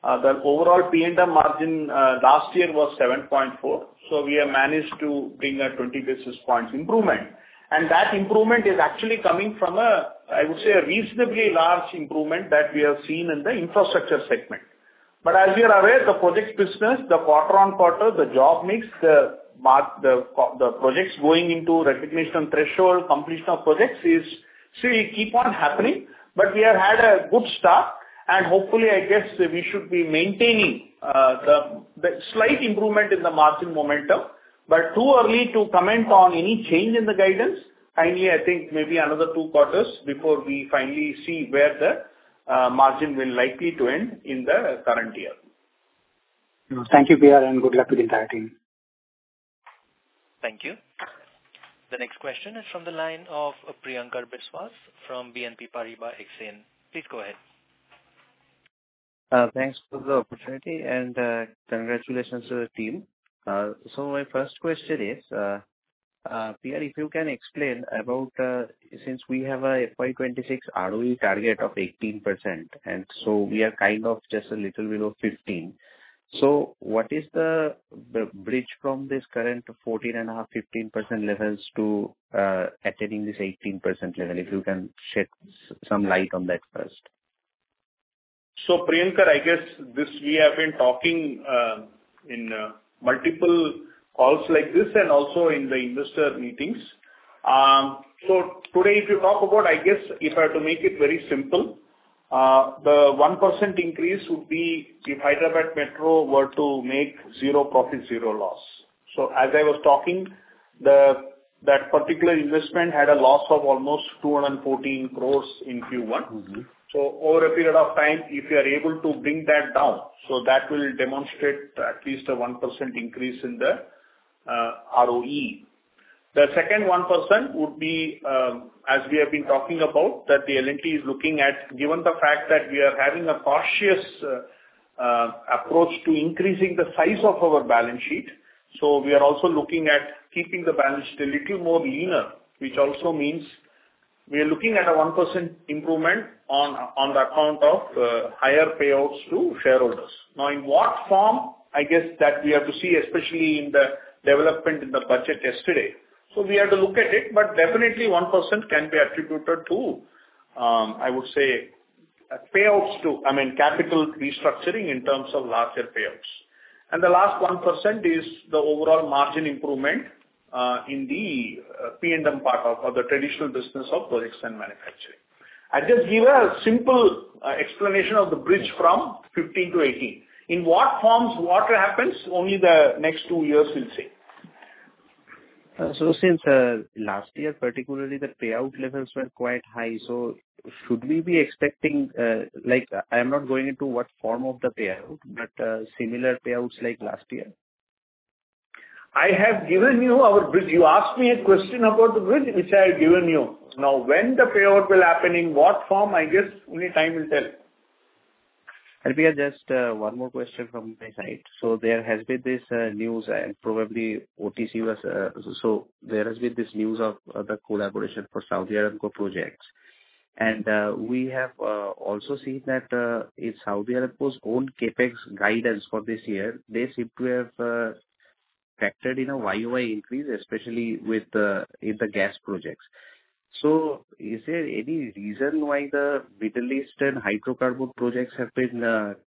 The overall P&L margin last year was 7.4%. So we have managed to bring a 20 basis points improvement. And that improvement is actually coming from a, I would say, a reasonably large improvement that we have seen in the infrastructure segment. But as you're aware, the project business, the quarter on quarter, the job mix, the projects going into recognition threshold, completion of projects still keep on happening. But we have had a good start. And hopefully, I guess we should be maintaining the slight improvement in the margin momentum. But too early to comment on any change in the guidance. Kindly, I think maybe another two quarters before we finally see where the margin will likely end in the current year.
Thank you, PS, and good luck with the entire team. Thank you.
The next question is from the line of Priyankar Biswas from BNP Paribas Exane. Please go ahead.
Thanks for the opportunity. And congratulations to the team. So my first question is, PR, if you can explain about since we have a FY26 ROE target of 18%, and so we are kind of just a little below 15%. So what is the bridge from this current 14.5-15% levels to attaining this 18% level? If you can shed some light on that first.
So Priyankar, I guess this we have been talking in multiple calls like this and also in the investor meetings. So today, if you talk about, I guess if I have to make it very simple, the 1% increase would be if Hyderabad Metro were to make zero profit, zero loss. So as I was talking, that particular investment had a loss of almost ₹214 crores in Q1. Over a period of time, if you are able to bring that down, so that will demonstrate at least a 1% increase in the ROE. The second 1% would be, as we have been talking about, that the L&T is looking at, given the fact that we are having a cautious approach to increasing the size of our balance sheet. We are also looking at keeping the balance sheet a little more leaner, which also means we are looking at a 1% improvement on the account of higher payouts to shareholders. Now, in what form, I guess that we have to see, especially in the development in the budget yesterday. We have to look at it. But definitely, 1% can be attributed to, I would say, payouts to, I mean, capital restructuring in terms of larger payouts. The last 1% is the overall margin improvement in the P&M part of the traditional business of Projects and Manufacturing. I just give a simple explanation of the bridge from 15%-18%. In what forms what happens, only the next two years will see.
So since last year, particularly the payout levels were quite high. So should we be expecting? I am not going into what form of the payout, but similar payouts like last year?
I have given you our bridge. You asked me a question about the bridge, which I have given you. Now, when the payout will happen in what form, I guess only time will tell.
And P.S., just one more question from my side. So there has been this news of the collaboration for Saudi Aramco projects. We have also seen that if Saudi Aramco's own CapEx guidance for this year, they seem to have factored in a YoY increase, especially with the gas projects. So is there any reason why the Middle Eastern hydrocarbon projects have been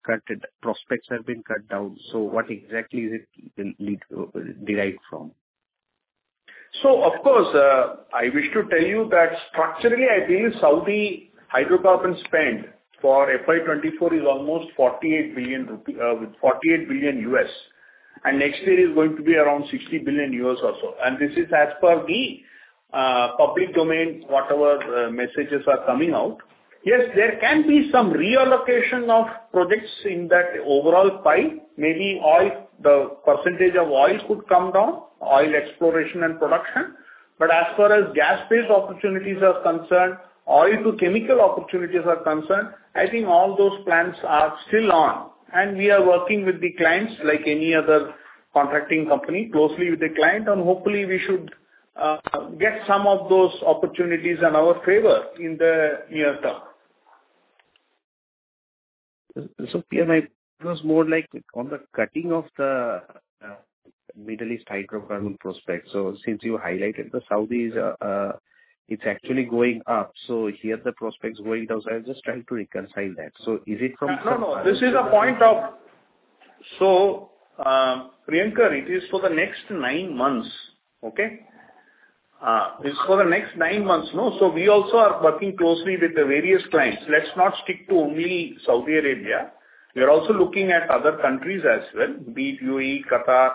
cut? Prospects have been cut down. So what exactly is it derived from?
So of course, I wish to tell you that structurally, I believe Saudi hydrocarbon spend for FY24 is almost $48 billion. And next year is going to be around $60 billion or so. And this is as per the public domain, whatever messages are coming out. Yes, there can be some reallocation of projects in that overall pie. Maybe the percentage of oil could come down, oil exploration and production. But as far as gas-based opportunities are concerned, oil-to-chemical opportunities are concerned, I think all those plans are still on. We are working with the clients like any other contracting company, closely with the client. And hopefully, we should get some of those opportunities in our favor in the near term.
So, yes, my question was more like on the outlook for the Middle East hydrocarbon prospects. So since you highlighted the Saudis, it's actually going up. So here the prospects going down. So I'm just trying to reconcile that. So is it from Saudi?
No, no. This is a point. So Priyankar, it is for the next nine months, okay? It's for the next nine months. No. So we also are working closely with the various clients. Let's not stick to only Saudi Arabia. We are also looking at other countries as well, be it UAE, Qatar,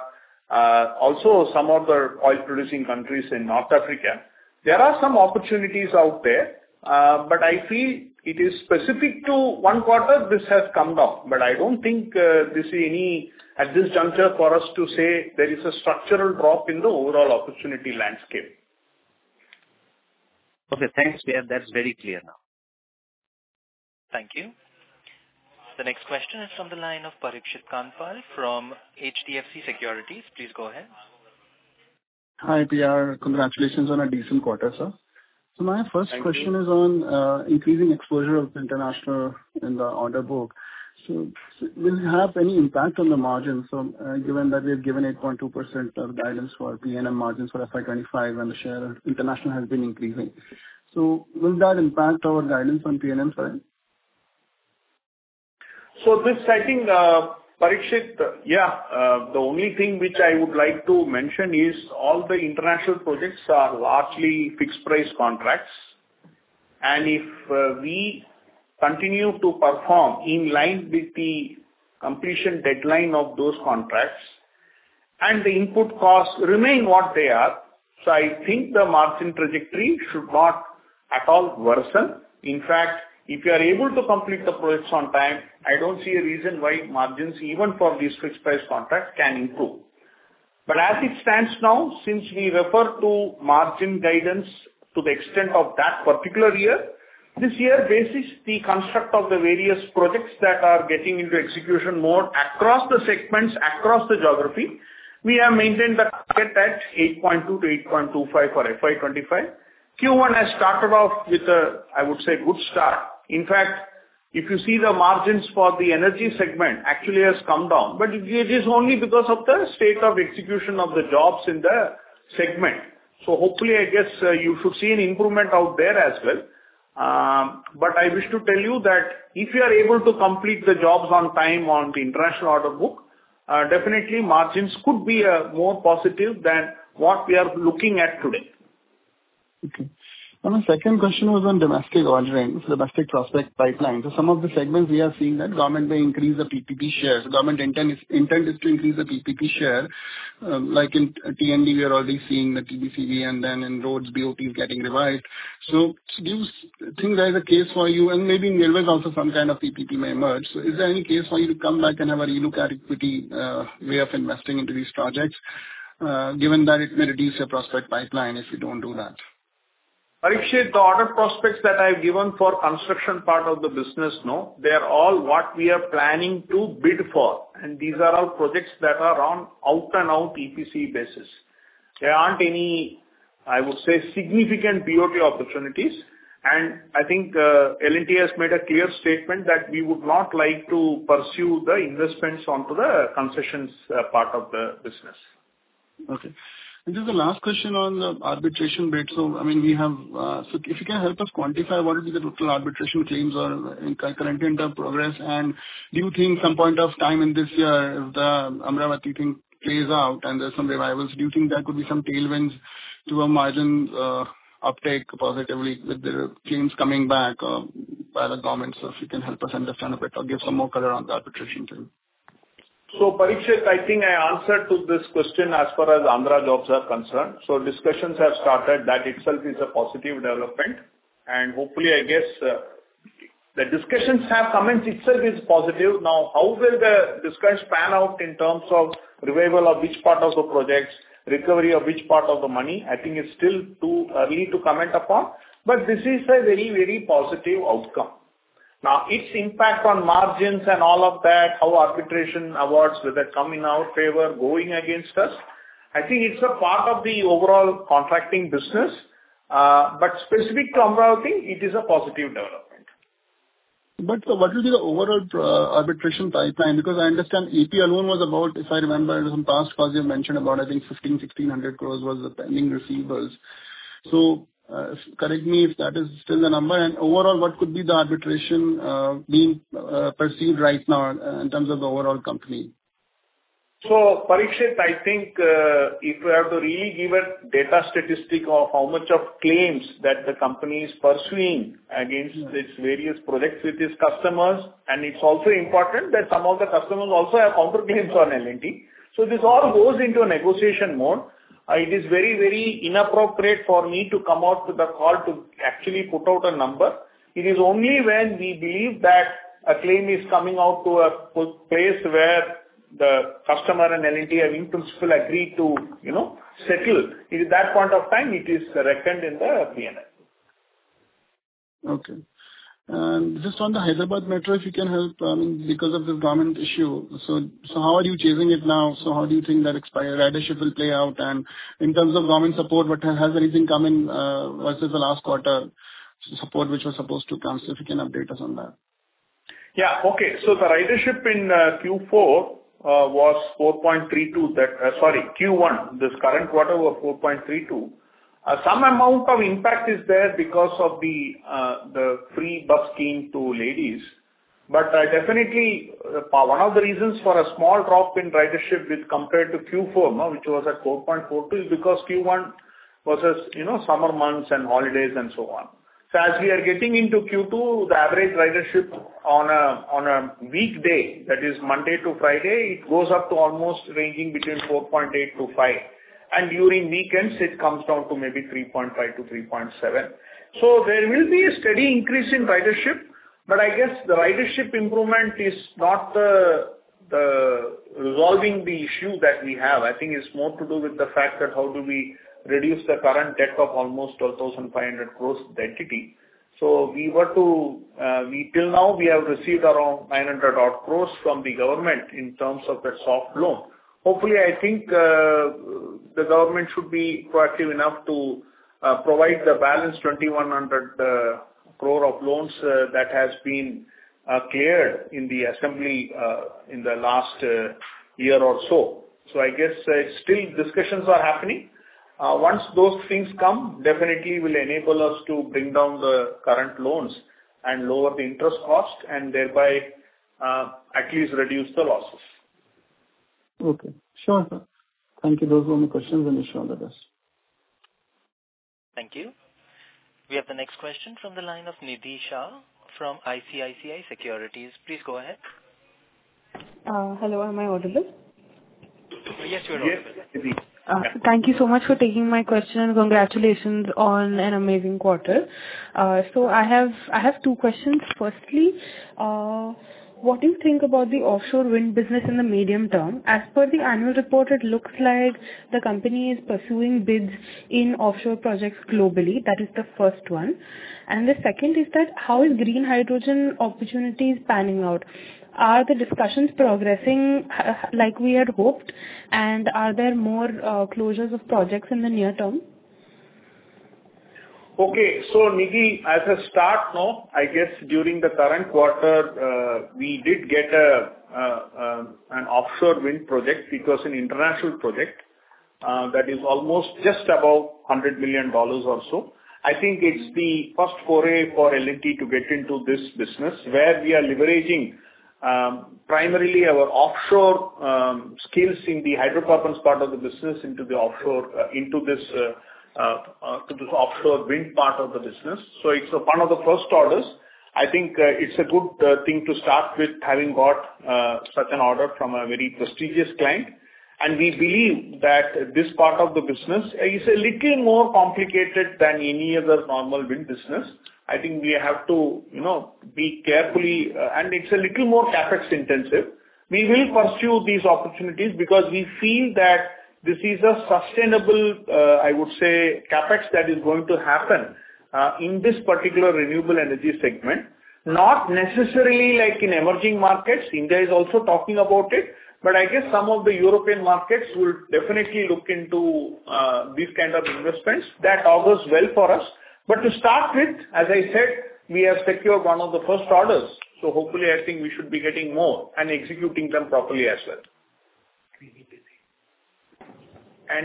also some of the oil-producing countries in North Africa. There are some opportunities out there. But I feel it is specific to one quarter, this has come down. But I don't think this is any at this juncture for us to say there is a structural drop in the overall opportunity landscape.
Okay. Thanks, PR. That's very clear now.
Thank you. The next question is from the line of Parikshit Kandpal from HDFC Securities. Please go ahead.
Hi PR. Congratulations on a decent quarter, sir. So my first question is on increasing exposure of international in the order book. So will it have any impact on the margins? So given that we have given 8.2% of guidance for P&M margins for FY25 and the share of international has been increasing. So will that impact our guidance on P&M, sir?
So PR, I think Parikshit, yeah, the only thing which I would like to mention is all the international projects are largely fixed-price contracts. If we continue to perform in line with the completion deadline of those contracts and the input costs remain what they are, so I think the margin trajectory should not at all worsen. In fact, if you are able to complete the projects on time, I don't see a reason why margins, even for these fixed-price contracts, can improve. But as it stands now, since we refer to margin guidance to the extent of that particular year, this year, based on the construct of the various projects that are getting into execution more across the segments, across the geography. We have maintained the target at 8.2%-8.25% for FY25. Q1 has started off with a, I would say, good start. In fact, if you see the margins for the Energy segment, actually has come down. But it is only because of the state of execution of the jobs in the segment. So hopefully, I guess you should see an improvement out there as well. But I wish to tell you that if you are able to complete the jobs on time on the international order book, definitely margins could be more positive than what we are looking at today.
Okay. And the second question was on domestic ordering, domestic prospect pipeline. So some of the segments we are seeing that government may increase the PPP share. So government intent is to increase the PPP share. Like in T&D, we are already seeing the TBCB, and then in roads, BOT is getting revised. So do you think there is a case for you? And maybe in railways also some kind of PPP may emerge. So is there any case for you to come back and have a relook at equity way of investing into these projects, given that it may reduce your prospect pipeline if you don't do that?
Parikshit, the order prospects that I've given for construction part of the business, no. They are all what we are planning to bid for. And these are all projects that are on out-and-out EPC basis. There aren't any, I would say, significant BOT opportunities. And I think L&T has made a clear statement that we would not like to pursue the investments onto the concessions part of the business. Okay. This is the last question on the arbitration bid. So, I mean, we have, so if you can help us quantify what would be the total arbitration claims or currently in progress, and do you think some point of time in this year, if the Amaravati thing plays out and there's some revivals, do you think there could be some tailwinds to a margin uptake positively with the claims coming back by the government? So if you can help us understand a bit or give some more color on the arbitration thing. So, Parikshit, I think I answered to this question as far as Amaravati jobs are concerned. Discussions have started. That itself is a positive development. And hopefully, I guess the discussions have commenced itself is positive. Now, how will the discussion pan out in terms of revival of which part of the projects, recovery of which part of the money? I think it's still too early to comment upon, but this is a very, very positive outcome. Now, its impact on margins and all of that, how arbitration awards whether coming in our favor, going against us, I think it's a part of the overall contracting business, but specific to Amaravati thing, it is a positive development.
But what will be the overall arbitration pipeline? Because I understand EP alone was about, if I remember, in some past calls you mentioned about, I think 1,500-1,600 crores was the pending receivables. So correct me if that is still the number. And overall, what could be the arbitration pipeline right now in terms of the overall company?
So Parikshit, I think if we have to really give a data statistic of how much of claims that the company is pursuing against its various projects with its customers. And it's also important that some of the customers also have counterclaims on L&T. So this all goes into a negotiation mode. It is very, very inappropriate for me to come out with a call to actually put out a number. It is only when we believe that a claim is coming out to a place where the customer and L&T have in principle agreed to settle. At that point of time, it is reckoned in the P&L.
Okay. And just on the Hyderabad metro, if you can help, I mean, because of this government issue. So how are you chasing it now? So how do you think that ridership will play out? And in terms of government support, has anything come in versus the last quarter support which was supposed to come? So if you can update us on that.
Yeah. Okay. So the ridership in Q4 was 4.32. Sorry, Q1. This current quarter was 4.32. Some amount of impact is there because of the free bus scheme to ladies. But definitely, one of the reasons for a small drop in ridership with compared to Q4, which was at 4.42, is because Q1 was just summer months and holidays and so on. So as we are getting into Q2, the average ridership on a weekday, that is Monday to Friday, it goes up to almost ranging between 4.8-5. And during weekends, it comes down to maybe 3.5-3.7. So there will be a steady increase in ridership. But I guess the ridership improvement is not resolving the issue that we have. I think it's more to do with the fact that how do we reduce the current debt of almost 12,500 crores to the entity? So, up till now, we have received around 900-odd crores from the government in terms of that soft loan. Hopefully, I think the government should be proactive enough to provide the balance, 2,100 crore of loans that has been cleared in the assembly in the last year or so. So I guess still discussions are happening. Once those things come, definitely will enable us to bring down the current loans and lower the interest cost and thereby at least reduce the losses.
Okay. Sure. Thank you. Those were my questions. I'm sure that does.
Thank you. We have the next question from the line of Nidhisha from ICICI Securities. Please go ahead.
Hello. Am I audible? Yes, you're audible.
Yes, you're audible.
Thank you so much for taking my question and congratulations on an amazing quarter. So I have two questions. Firstly, what do you think about the offshore wind business in the medium term? As per the annual report, it looks like the company is pursuing bids in offshore projects globally. That is the first one. And the second is that how is green hydrogen opportunities panning out? Are the discussions progressing like we had hoped? And are there more closures of projects in the near term?
Okay. So Nidhi, as a start, no. I guess during the current quarter, we did get an offshore wind project because an international project that is almost just about $100 million or so. I think it's the first foray for L&T to get into this business where we are leveraging primarily our offshore skills in the hydrocarbons part of the business into this offshore wind part of the business. So it's one of the first orders. I think it's a good thing to start with having got such an order from a very prestigious client. And we believe that this part of the business is a little more complicated than any other normal wind business. I think we have to be careful, and it's a little more CapEx intensive. We will pursue these opportunities because we feel that this is a sustainable, I would say, CapEx that is going to happen in this particular renewable Energy segment, not necessarily like in emerging markets. India is also talking about it. But I guess some of the European markets will definitely look into these kinds of investments that augurs well for us. But to start with, as I said, we have secured one of the first orders. So hopefully, I think we should be getting more and executing them properly as well.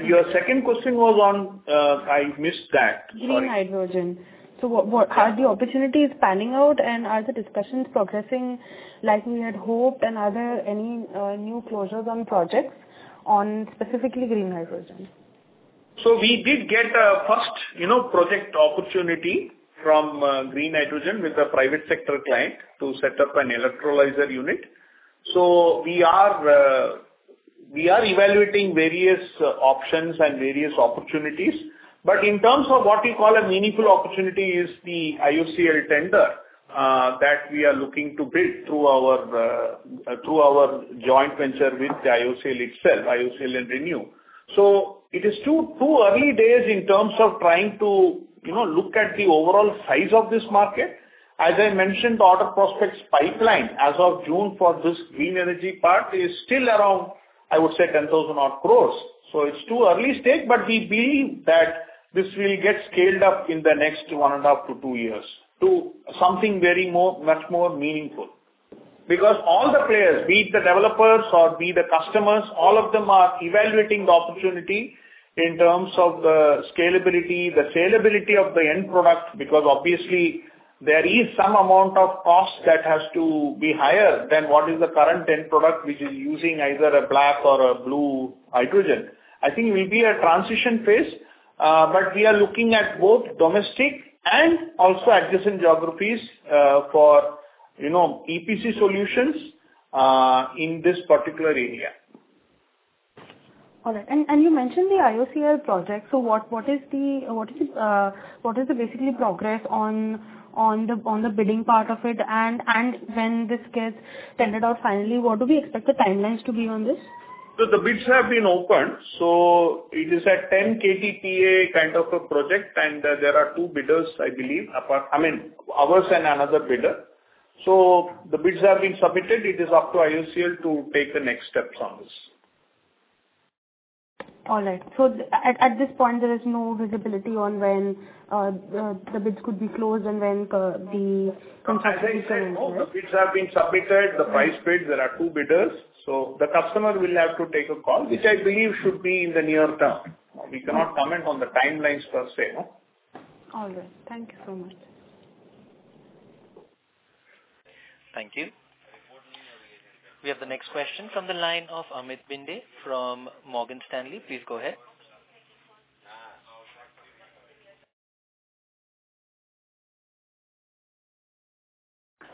Your second question was on – I missed that.
Green hydrogen. How are the opportunities panning out? Are the discussions progressing like we had hoped? Are there any new closures on projects on specifically green hydrogen?
We did get a first project opportunity from green hydrogen with a private sector client to set up an electrolyzer unit. We are evaluating various options and various opportunities. In terms of what we call a meaningful opportunity, it is the IOCL tender that we are looking to bid through our joint venture with IOCL itself, IOCL and ReNew. It is too early days in terms of trying to look at the overall size of this market. As I mentioned, the order prospects pipeline as of June for this green energy part is still around, I would say, 10,000 crore-odd. It's too early stage, but we believe that this will get scaled up in the next one and a half to two years to something much more meaningful. Because all the players, be it the developers or be it the customers, all of them are evaluating the opportunity in terms of the scalability, the saleability of the end product. Because obviously, there is some amount of cost that has to be higher than what is the current end product, which is using either a black or a blue hydrogen. I think it will be a transition phase. But we are looking at both domestic and also adjacent geographies for EPC solutions in this particular area.
All right. And you mentioned the IOCL project. So what is basically the progress on the bidding part of it? When this gets tendered out finally, what do we expect the timelines to be on this?
The bids have been opened. It is a 10-KTPA kind of a project. There are two bidders, I believe, I mean, ours and another bidder. The bids have been submitted. It is up to IOCL to take the next steps on this.
All right. At this point, there is no visibility on when the bids could be closed and when the contractors will close.
As I said, the bids have been submitted, the price bids. There are two bidders. The customer will have to take a call, which I believe should be in the near term. We cannot comment on the timelines per se.
All right. Thank you so much.
Thank you. We have the next question from the line of Amit Binde from Morgan Stanley. Please go ahead.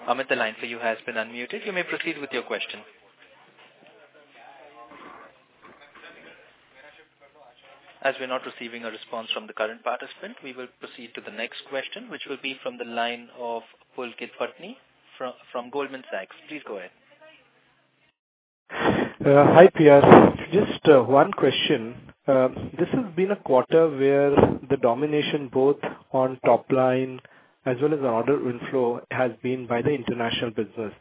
Amit, the line for you has been unmuted. You may proceed with your question. As we're not receiving a response from the current participant, we will proceed to the next question, which will be from the line of Pulkit Patni from Goldman Sachs. Please go ahead.
Hi PR. Just one question. This has been a quarter where the dominance both on top line as well as the order inflow has been by the international business.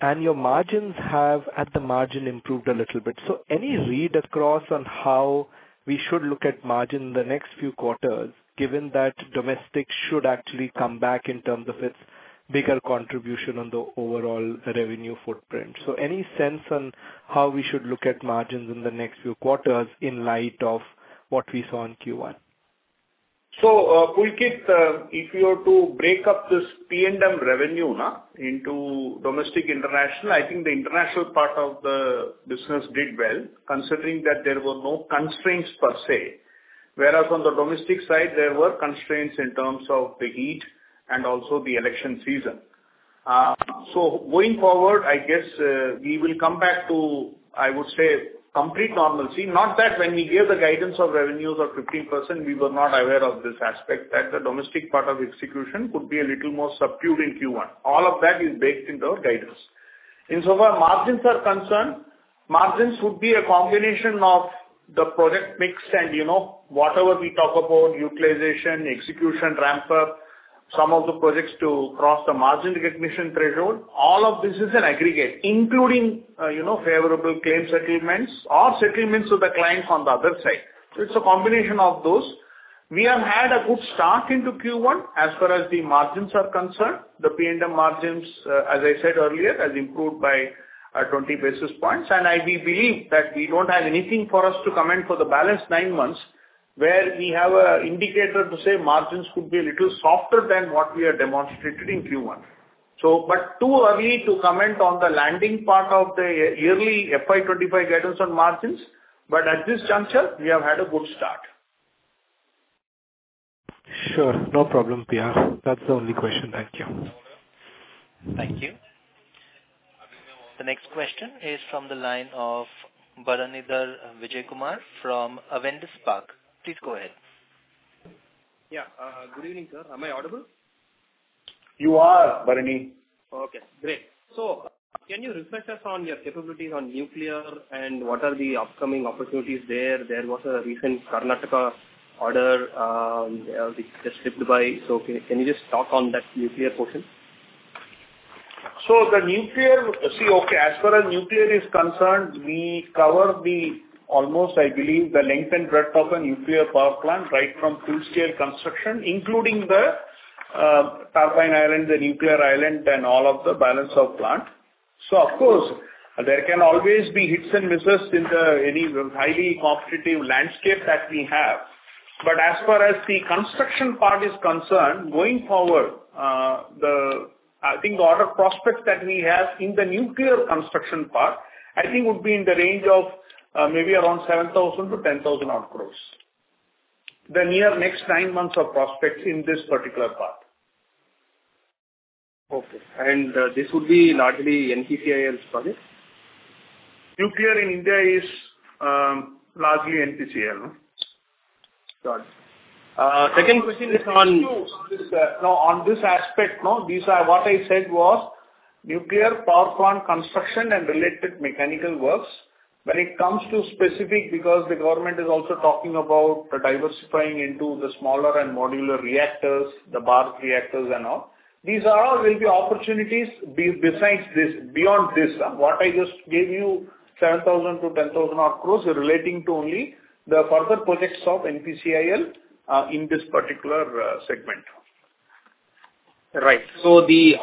And your margins have at the margin improved a little bit. So any read-across on how we should look at margin in the next few quarters, given that domestic should actually come back in terms of its bigger contribution on the overall revenue footprint? So any sense on how we should look at margins in the next few quarters in light of what we saw in Q1?
Pulkit, if you were to break up this P&M revenue into domestic, international, I think the international part of the business did well, considering that there were no constraints per se. Whereas on the domestic side, there were constraints in terms of the heat and also the election season. Going forward, I guess we will come back to, I would say, complete normalcy. Not that when we gave the guidance of revenues of 15%, we were not aware of this aspect, that the domestic part of execution could be a little more subdued in Q1. All of that is baked into our guidance. Insofar as margins are concerned, margins would be a combination of the project mix and whatever we talk about, utilization, execution, ramp-up, some of the projects to cross the margin recognition threshold. All of this is an aggregate, including favorable claim settlements or settlements of the clients on the other side. So it's a combination of those. We have had a good start into Q1 as far as the margins are concerned. The P&M margins, as I said earlier, have improved by 20 basis points. And I believe that we don't have anything for us to comment for the balance nine months where we have an indicator to say margins could be a little softer than what we have demonstrated in Q1. But too early to comment on the landing part of the yearly FY25 guidance on margins. But at this juncture, we have had a good start.
Sure. No problem, PR. That's the only question. Thank you.
Thank you. The next question is from the line of Bharanidhar Vijayakumar from Avendus Spark. Please go ahead.
Yeah. Good evening, sir. Am I audible?
You are, Bharanidhar.
Okay. Great. So can you brief us on your capabilities on nuclear and what are the upcoming opportunities there? There was a recent Karnataka order that was just bagged by. So can you just talk on that nuclear portion?
So the nuclear, see, okay. As far as nuclear is concerned, we cover almost, I believe, the length and breadth of a nuclear power plant right from full-scale construction, including the turbine island, the nuclear island, and all of the balance of plant. So of course, there can always be hits and misses in the highly competitive landscape that we have. But as far as the construction part is concerned, going forward, I think the order prospects that we have in the nuclear construction part, I think, would be in the range of maybe around 7,000 crore to 10,000-odd crore. The near next nine months of prospects in this particular part.
Okay. And this would be largely NPCIL's project?
Nuclear in India is largely NPCIL. Second question is on this aspect. What I said was nuclear power plant construction and related mechanical works. When it comes to specific, because the government is also talking about diversifying into the smaller and modular reactors, the BARC reactors and all, these all will be opportunities besides this. Beyond this, what I just gave you, 7,000-10,000-odd crores relating to only the further projects of NPCIL in this particular segment.
Right. So the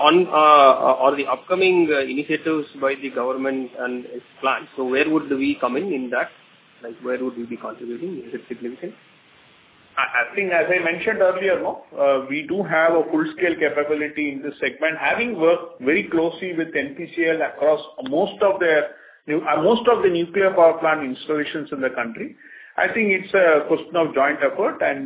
upcoming initiatives by the government and its plans, so where would we come in in that? Where would we be contributing? Is it significant?
I think, as I mentioned earlier, we do have a full-scale capability in this segment, having worked very closely with NPCIL across most of the nuclear power plant installations in the country. I think it's a question of joint effort, and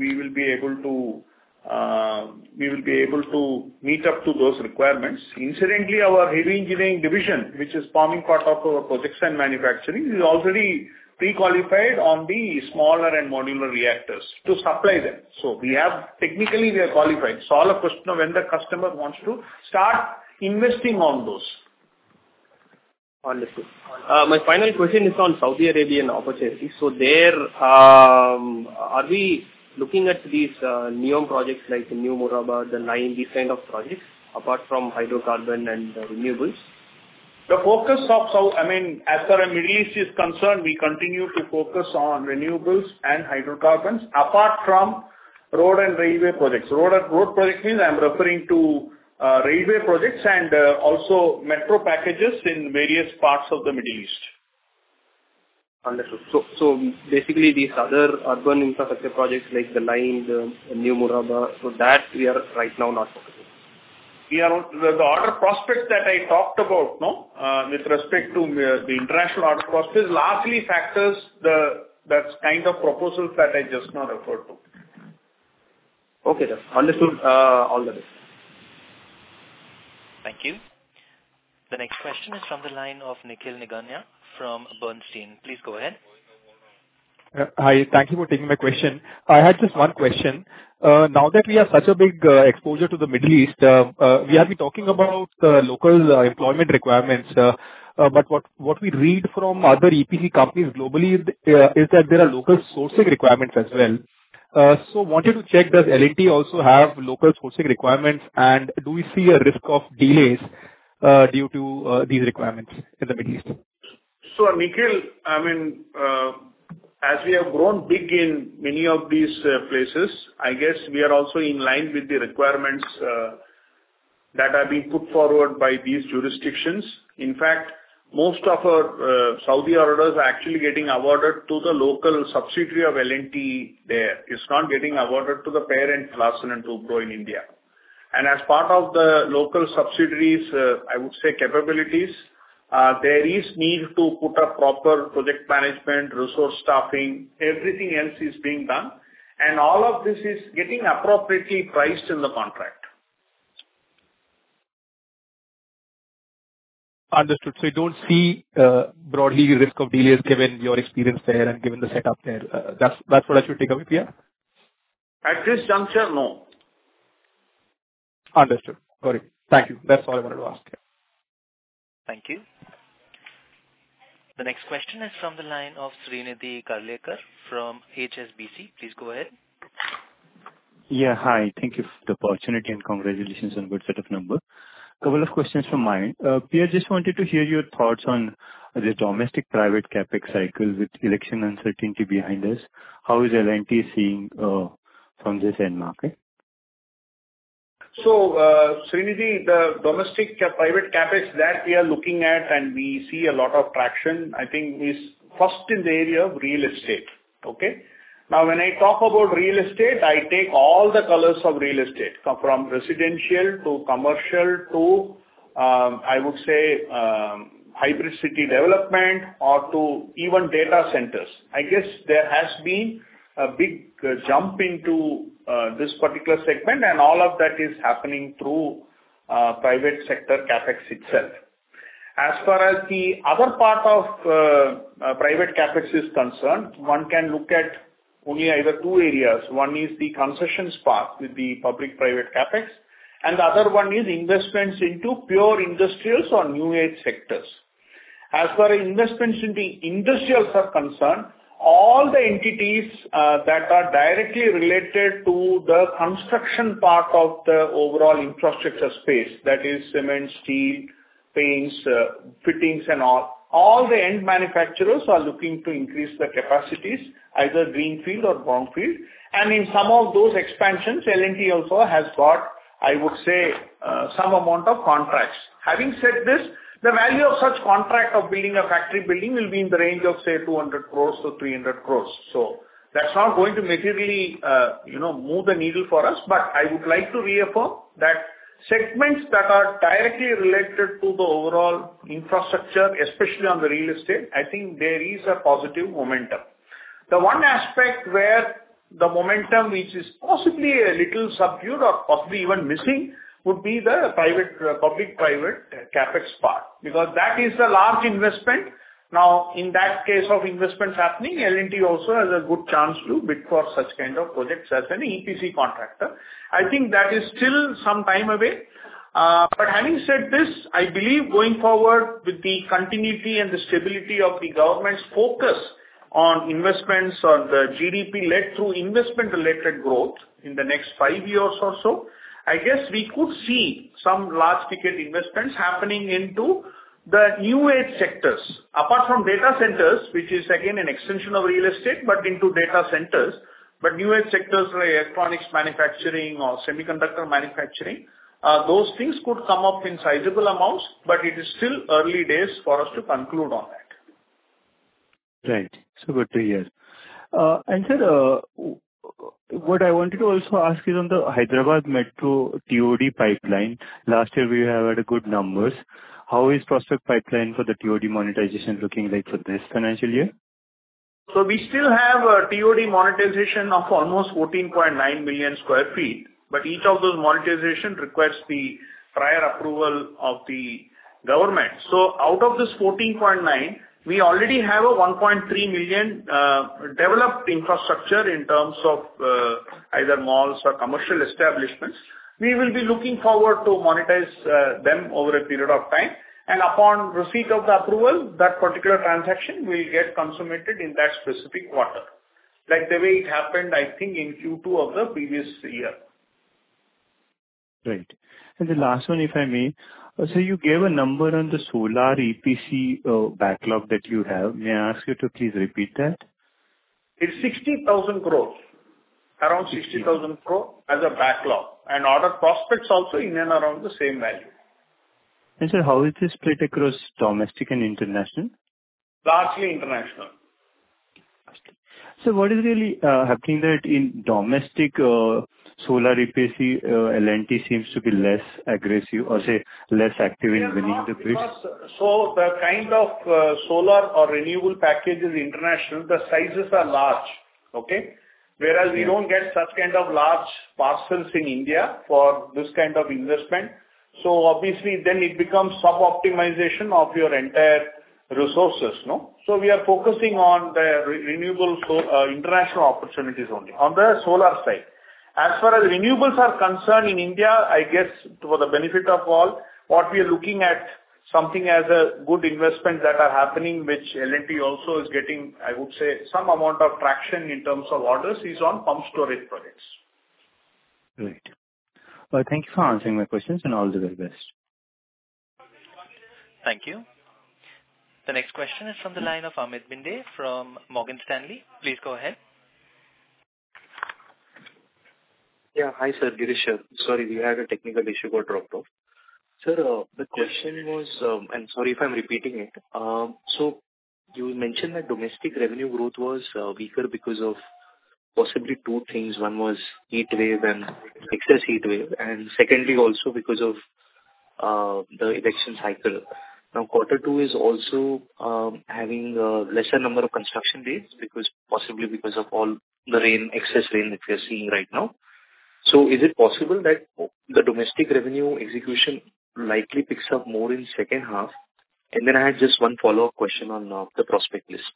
we will be able to meet up to those requirements. Incidentally, our Heavy Engineering division, which is forming part of our Projects and Manufacturing, is already pre-qualified on the smaller and modular reactors to supply them. So technically, they are qualified. So all the question of when the customer wants to start investing on those.
My final question is on Saudi Arabian opportunities. So are we looking at these NEOM projects like New Murabba, The Line, these kinds of projects apart from hydrocarbon and renewables?
The focus of Saudi Arabia, I mean, as far as the Middle East is concerned, we continue to focus on renewables and hydrocarbons apart from road and railway projects. Road project means I'm referring to railway projects and also metro packages in various parts of the Middle East.
Understood. So basically, these other urban infrastructure projects like The Line, the New Murabba, so that we are right now not focusing on.
The order prospects that I talked about with respect to the international order prospects, largely factors that kind of proposals that I just now referred to.
Okay. Understood all of it.
Thank you. The next question is from the line of Nikhil Nigania from Bernstein. Please go ahead.
Hi. Thank you for taking my question. I had just one question. Now that we have such a big exposure to the Middle East, we have been talking about the local employment requirements. But what we read from other EPC companies globally is that there are local sourcing requirements as well. So wanted to check, does L&T also have local sourcing requirements, and do we see a risk of delays due to these requirements in the Middle East?
So Nikhil, I mean, as we have grown big in many of these places, I guess we are also in line with the requirements that are being put forward by these jurisdictions. In fact, most of our Saudi orders are actually getting awarded to the local subsidiary of L&T there. It's not getting awarded to the parent L&T and the group in India. And as part of the local subsidiaries, I would say capabilities, there is need to put up proper project management, resource staffing. Everything else is being done. And all of this is getting appropriately priced in the contract.
Understood. So you don't see broadly risk of delays given your experience there and given the setup there. That's what I should take a look at?
At this juncture, no.
Understood. Got it. Thank you. That's all I wanted to ask.
Thank you. The next question is from the line of Srinidhi Karlekar from HSBC. Please go ahead.
Yeah. Hi. Thank you for the opportunity and congratulations on a good set of numbers. Couple of questions from my end. PR, just wanted to hear your thoughts on the domestic private Capex cycle with election uncertainty behind us. How is L&T seeing from this end market?
So Srinidhi, the domestic private CapEx that we are looking at and we see a lot of traction, I think, is first in the area of real estate. Okay? Now, when I talk about real estate, I take all the colors of real estate from residential to commercial to, I would say, hybrid city development or to even data centers. I guess there has been a big jump into this particular segment, and all of that is happening through private sector CapEx itself. As far as the other part of private CapEx is concerned, one can look at only either two areas. One is the concessions part with the public-private CapEx, and the other one is investments into pure industrials or new age sectors. As far as investments in the industrials are concerned, all the entities that are directly related to the construction part of the overall infrastructure space, that is cement, steel, paints, fittings, and all, all the end manufacturers are looking to increase their capacities, either greenfield or brownfield. And in some of those expansions, L&T also has got, I would say, some amount of contracts. Having said this, the value of such contract of building a factory building will be in the range of, say, 200-300 crores. So that's not going to materially move the needle for us. But I would like to reaffirm that segments that are directly related to the overall infrastructure, especially on the real estate, I think there is a positive momentum. The one aspect where the momentum, which is possibly a little subdued or possibly even missing, would be the public-private CapEx part because that is the large investment. Now, in that case of investments happening, L&T also has a good chance to bid for such kind of projects as an EPC contractor. I think that is still some time away. But having said this, I believe going forward with the continuity and the stability of the government's focus on investments on the GDP led through investment-related growth in the next five years or so, I guess we could see some large-ticket investments happening into the new age sectors. Apart from data centers, which is again an extension of real estate, but into data centers. But new age sectors like electronics manufacturing or semiconductor manufacturing, those things could come up in sizable amounts, but it is still early days for us to conclude on that.
Right. So good to hear. And sir, what I wanted to also ask is on the Hyderabad Metro TOD pipeline. Last year, we had good numbers. How is prospect pipeline for the TOD monetization looking like for this financial year?
So we still have TOD monetization of almost 14.9 million sq ft. But each of those monetizations requires the prior approval of the government. So out of this 14.9, we already have a 1.3 million developed infrastructure in terms of either malls or commercial establishments. We will be looking forward to monetize them over a period of time. Upon receipt of the approval, that particular transaction will get consummated in that specific quarter, like the way it happened, I think, in Q2 of the previous year.
Great. And the last one, if I may, so you gave a number on the solar EPC backlog that you have. May I ask you to please repeat that? It's 60,000 crores, around 60,000 crores as a backlog. And other prospects also in and around the same value. And sir, how is this split across domestic and international?
Largely international. So what is really happening that in domestic solar EPC, L&T seems to be less aggressive or say less active in winning the bids? So the kind of solar or renewable packages international, the sizes are large. Okay? Whereas we don't get such kind of large parcels in India for this kind of investment. So obviously, then it becomes sub-optimization of your entire resources. So we are focusing on the renewable international opportunities only on the solar side. As far as renewables are concerned in India, I guess for the benefit of all, what we are looking at something as a good investment that are happening, which L&T also is getting, I would say, some amount of traction in terms of orders, is on pumped storage projects.
Great. Well, thank you for answering my questions and all the very best
Thank you. The next question is from the line of Girish Achhipalia from Morgan Stanley. Please go ahead.
Yeah. Hi, sir. Girish here. Sorry, we had a technical issue and dropped off. Sir, the question was, and sorry if I'm repeating it. So you mentioned that domestic revenue growth was weaker because of possibly two things. One was heat wave and excess heat wave. And secondly, also because of the election cycle. Now, quarter two is also having a lesser number of construction dates possibly because of all the excess rain that we are seeing right now. So is it possible that the domestic revenue execution likely picks up more in second half? And then I had just one follow-up question on the prospect list.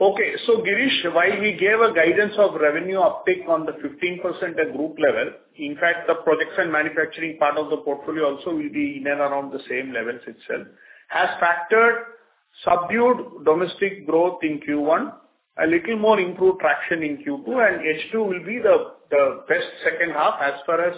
Okay. So Girish, while we gave a guidance of revenue uptick on the 15% group level, in fact, the Projects and Manufacturing part of the portfolio also will be in and around the same levels itself. [It] has factored subdued domestic growth in Q1, a little more improved traction in Q2, and H2 will be the best second half as far as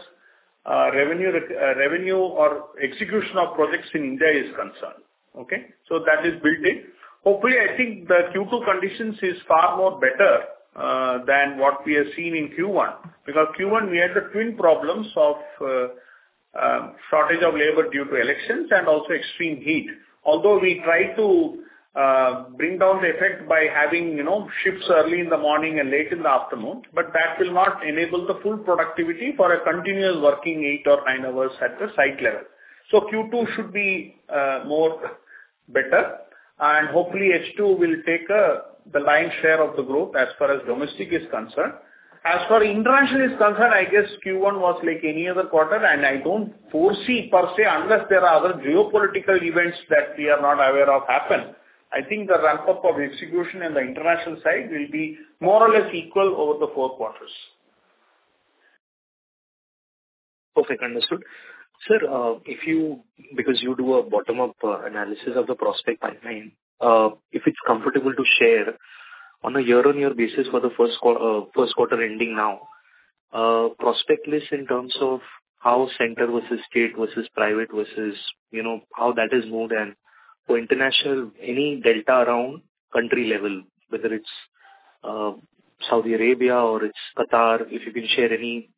revenue or execution of projects in India is concerned. Okay? So that is built in. Hopefully, I think the Q2 conditions is far more better than what we have seen in Q1 because Q1, we had the twin problems of shortage of labor due to elections and also extreme heat. Although we tried to bring down the effect by having shifts early in the morning and late in the afternoon, but that will not enable the full productivity for a continuous working eight or nine hours at the site level. So Q2 should be better, and hopefully, H2 will take the line share of the growth as far as domestic is concerned. As for international is concerned, I guess Q1 was like any other quarter, and I don't foresee per se unless there are other geopolitical events that we are not aware of happen. I think the ramp-up of execution and the international side will be more or less equal over the four quarters. Perfect.
Understood. Sir, because you do a bottom-up analysis of the prospect pipeline, if it's comfortable to share on a year-on-year basis for the first quarter ending now, prospect list in terms of how central versus state versus private versus how that is moved and for international, any delta around country level, whether it's Saudi Arabia or it's Qatar, if you can share any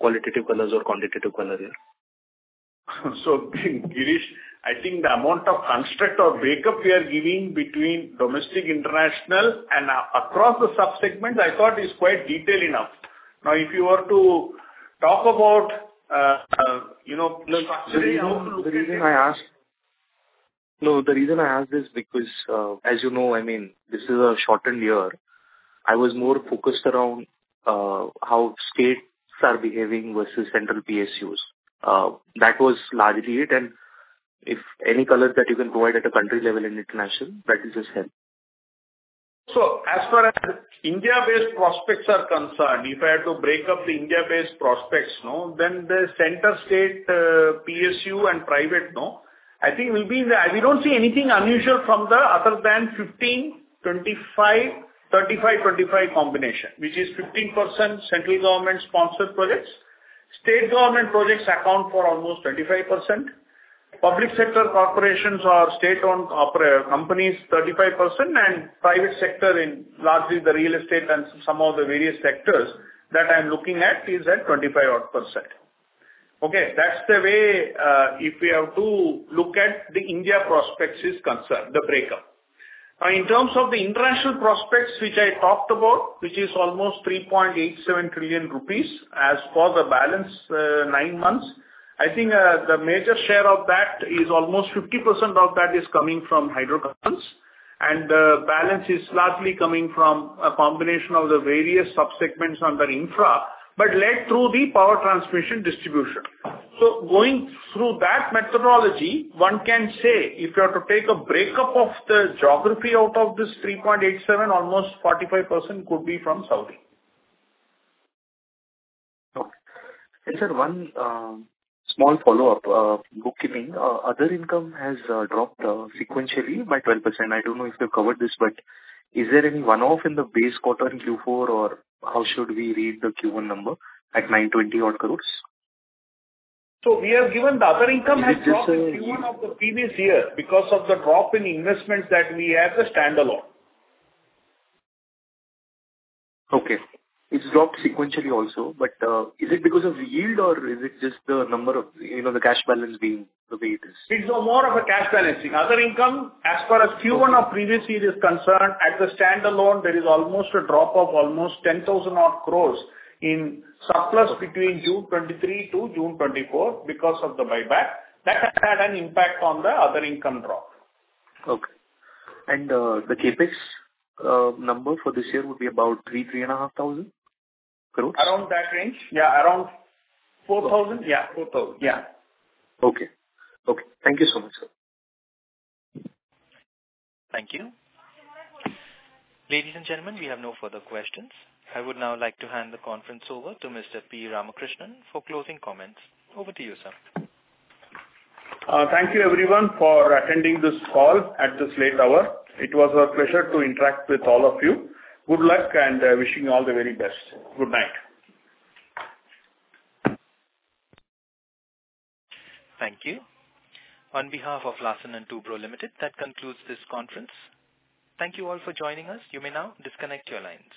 qualitative colors or quantitative colors here.
So, Girish, I think the amount of construct or breakup we are giving between domestic, international, and across the subsegment, I thought, is quite detailed enough. Now, if you were to talk about construction.
The reason I asked is because, as you know, I mean, this is a shortened year. I was more focused around how states are behaving versus central PSUs. That was largely it. If any colors that you can provide at a country level and international, that will just help.
So as far as India-based prospects are concerned, if I had to break up the India-based prospects, then the central-state PSU and private, I think we don't see anything unusual other than 15, 25, 35, 25 combination, which is 15% central government-sponsored projects. State government projects account for almost 25%. Public sector corporations or state-owned companies, 35%. And private sector in largely the real estate and some of the various sectors that I'm looking at is at 25%. Okay? That's the way, as far as the India prospects are concerned, the breakup. Now, in terms of the international prospects, which I talked about, which is almost 3.87 trillion rupees as for the balance nine months, I think the major share of that is almost 50% of that is coming from hydrocarbons. And the balance is largely coming from a combination of the various subsegments under infra, but led through the power transmission distribution. So going through that methodology, one can say if you are to take a breakup of the geography out of this 3.87, almost 45% could be from Saudi.
Okay. And sir, one small follow-up, bookkeeping. Other income has dropped sequentially by 12%. I don't know if you've covered this, but is there any one-off in the base quarter in Q4, or how should we read the Q1 number at 920-odd crore?
So we have given that other income has dropped in Q1 of the previous year because of the drop in investments that we had as standal
one. Okay. It's dropped sequentially also. But is it because of yield, or is it just the number of the cash balance being the way it is?
It's more of a cash balancing. Other income, as far as Q1 of previous year is concerned, at the standalone, there is almost a drop of almost 10,000-odd crores in surplus between June 2023 to June 2024 because of the buyback. That had an impact on the other income drop.
Okay. And the CapEx number for this year would be about 3-3.5 thousand crores?
Around that range. Yeah. Around 4,000. Yeah. 4,000. Yeah.
Okay. Okay. Thank you so much, sir.
Thank you. Ladies and gentlemen, we have no further questions. I would now like to hand the conference over to Mr. P. Ramakrishnan for closing comments. Over to you, sir.
Thank you, everyone, for attending this call at this late hour. It was our pleasure to interact with all of you. Good luck and wishing you all the very best. Good night. Thank you. On behalf of Larsen & Toubro Limited, that concludes this conference. Thank you all for joining us. You may now disconnect your lines.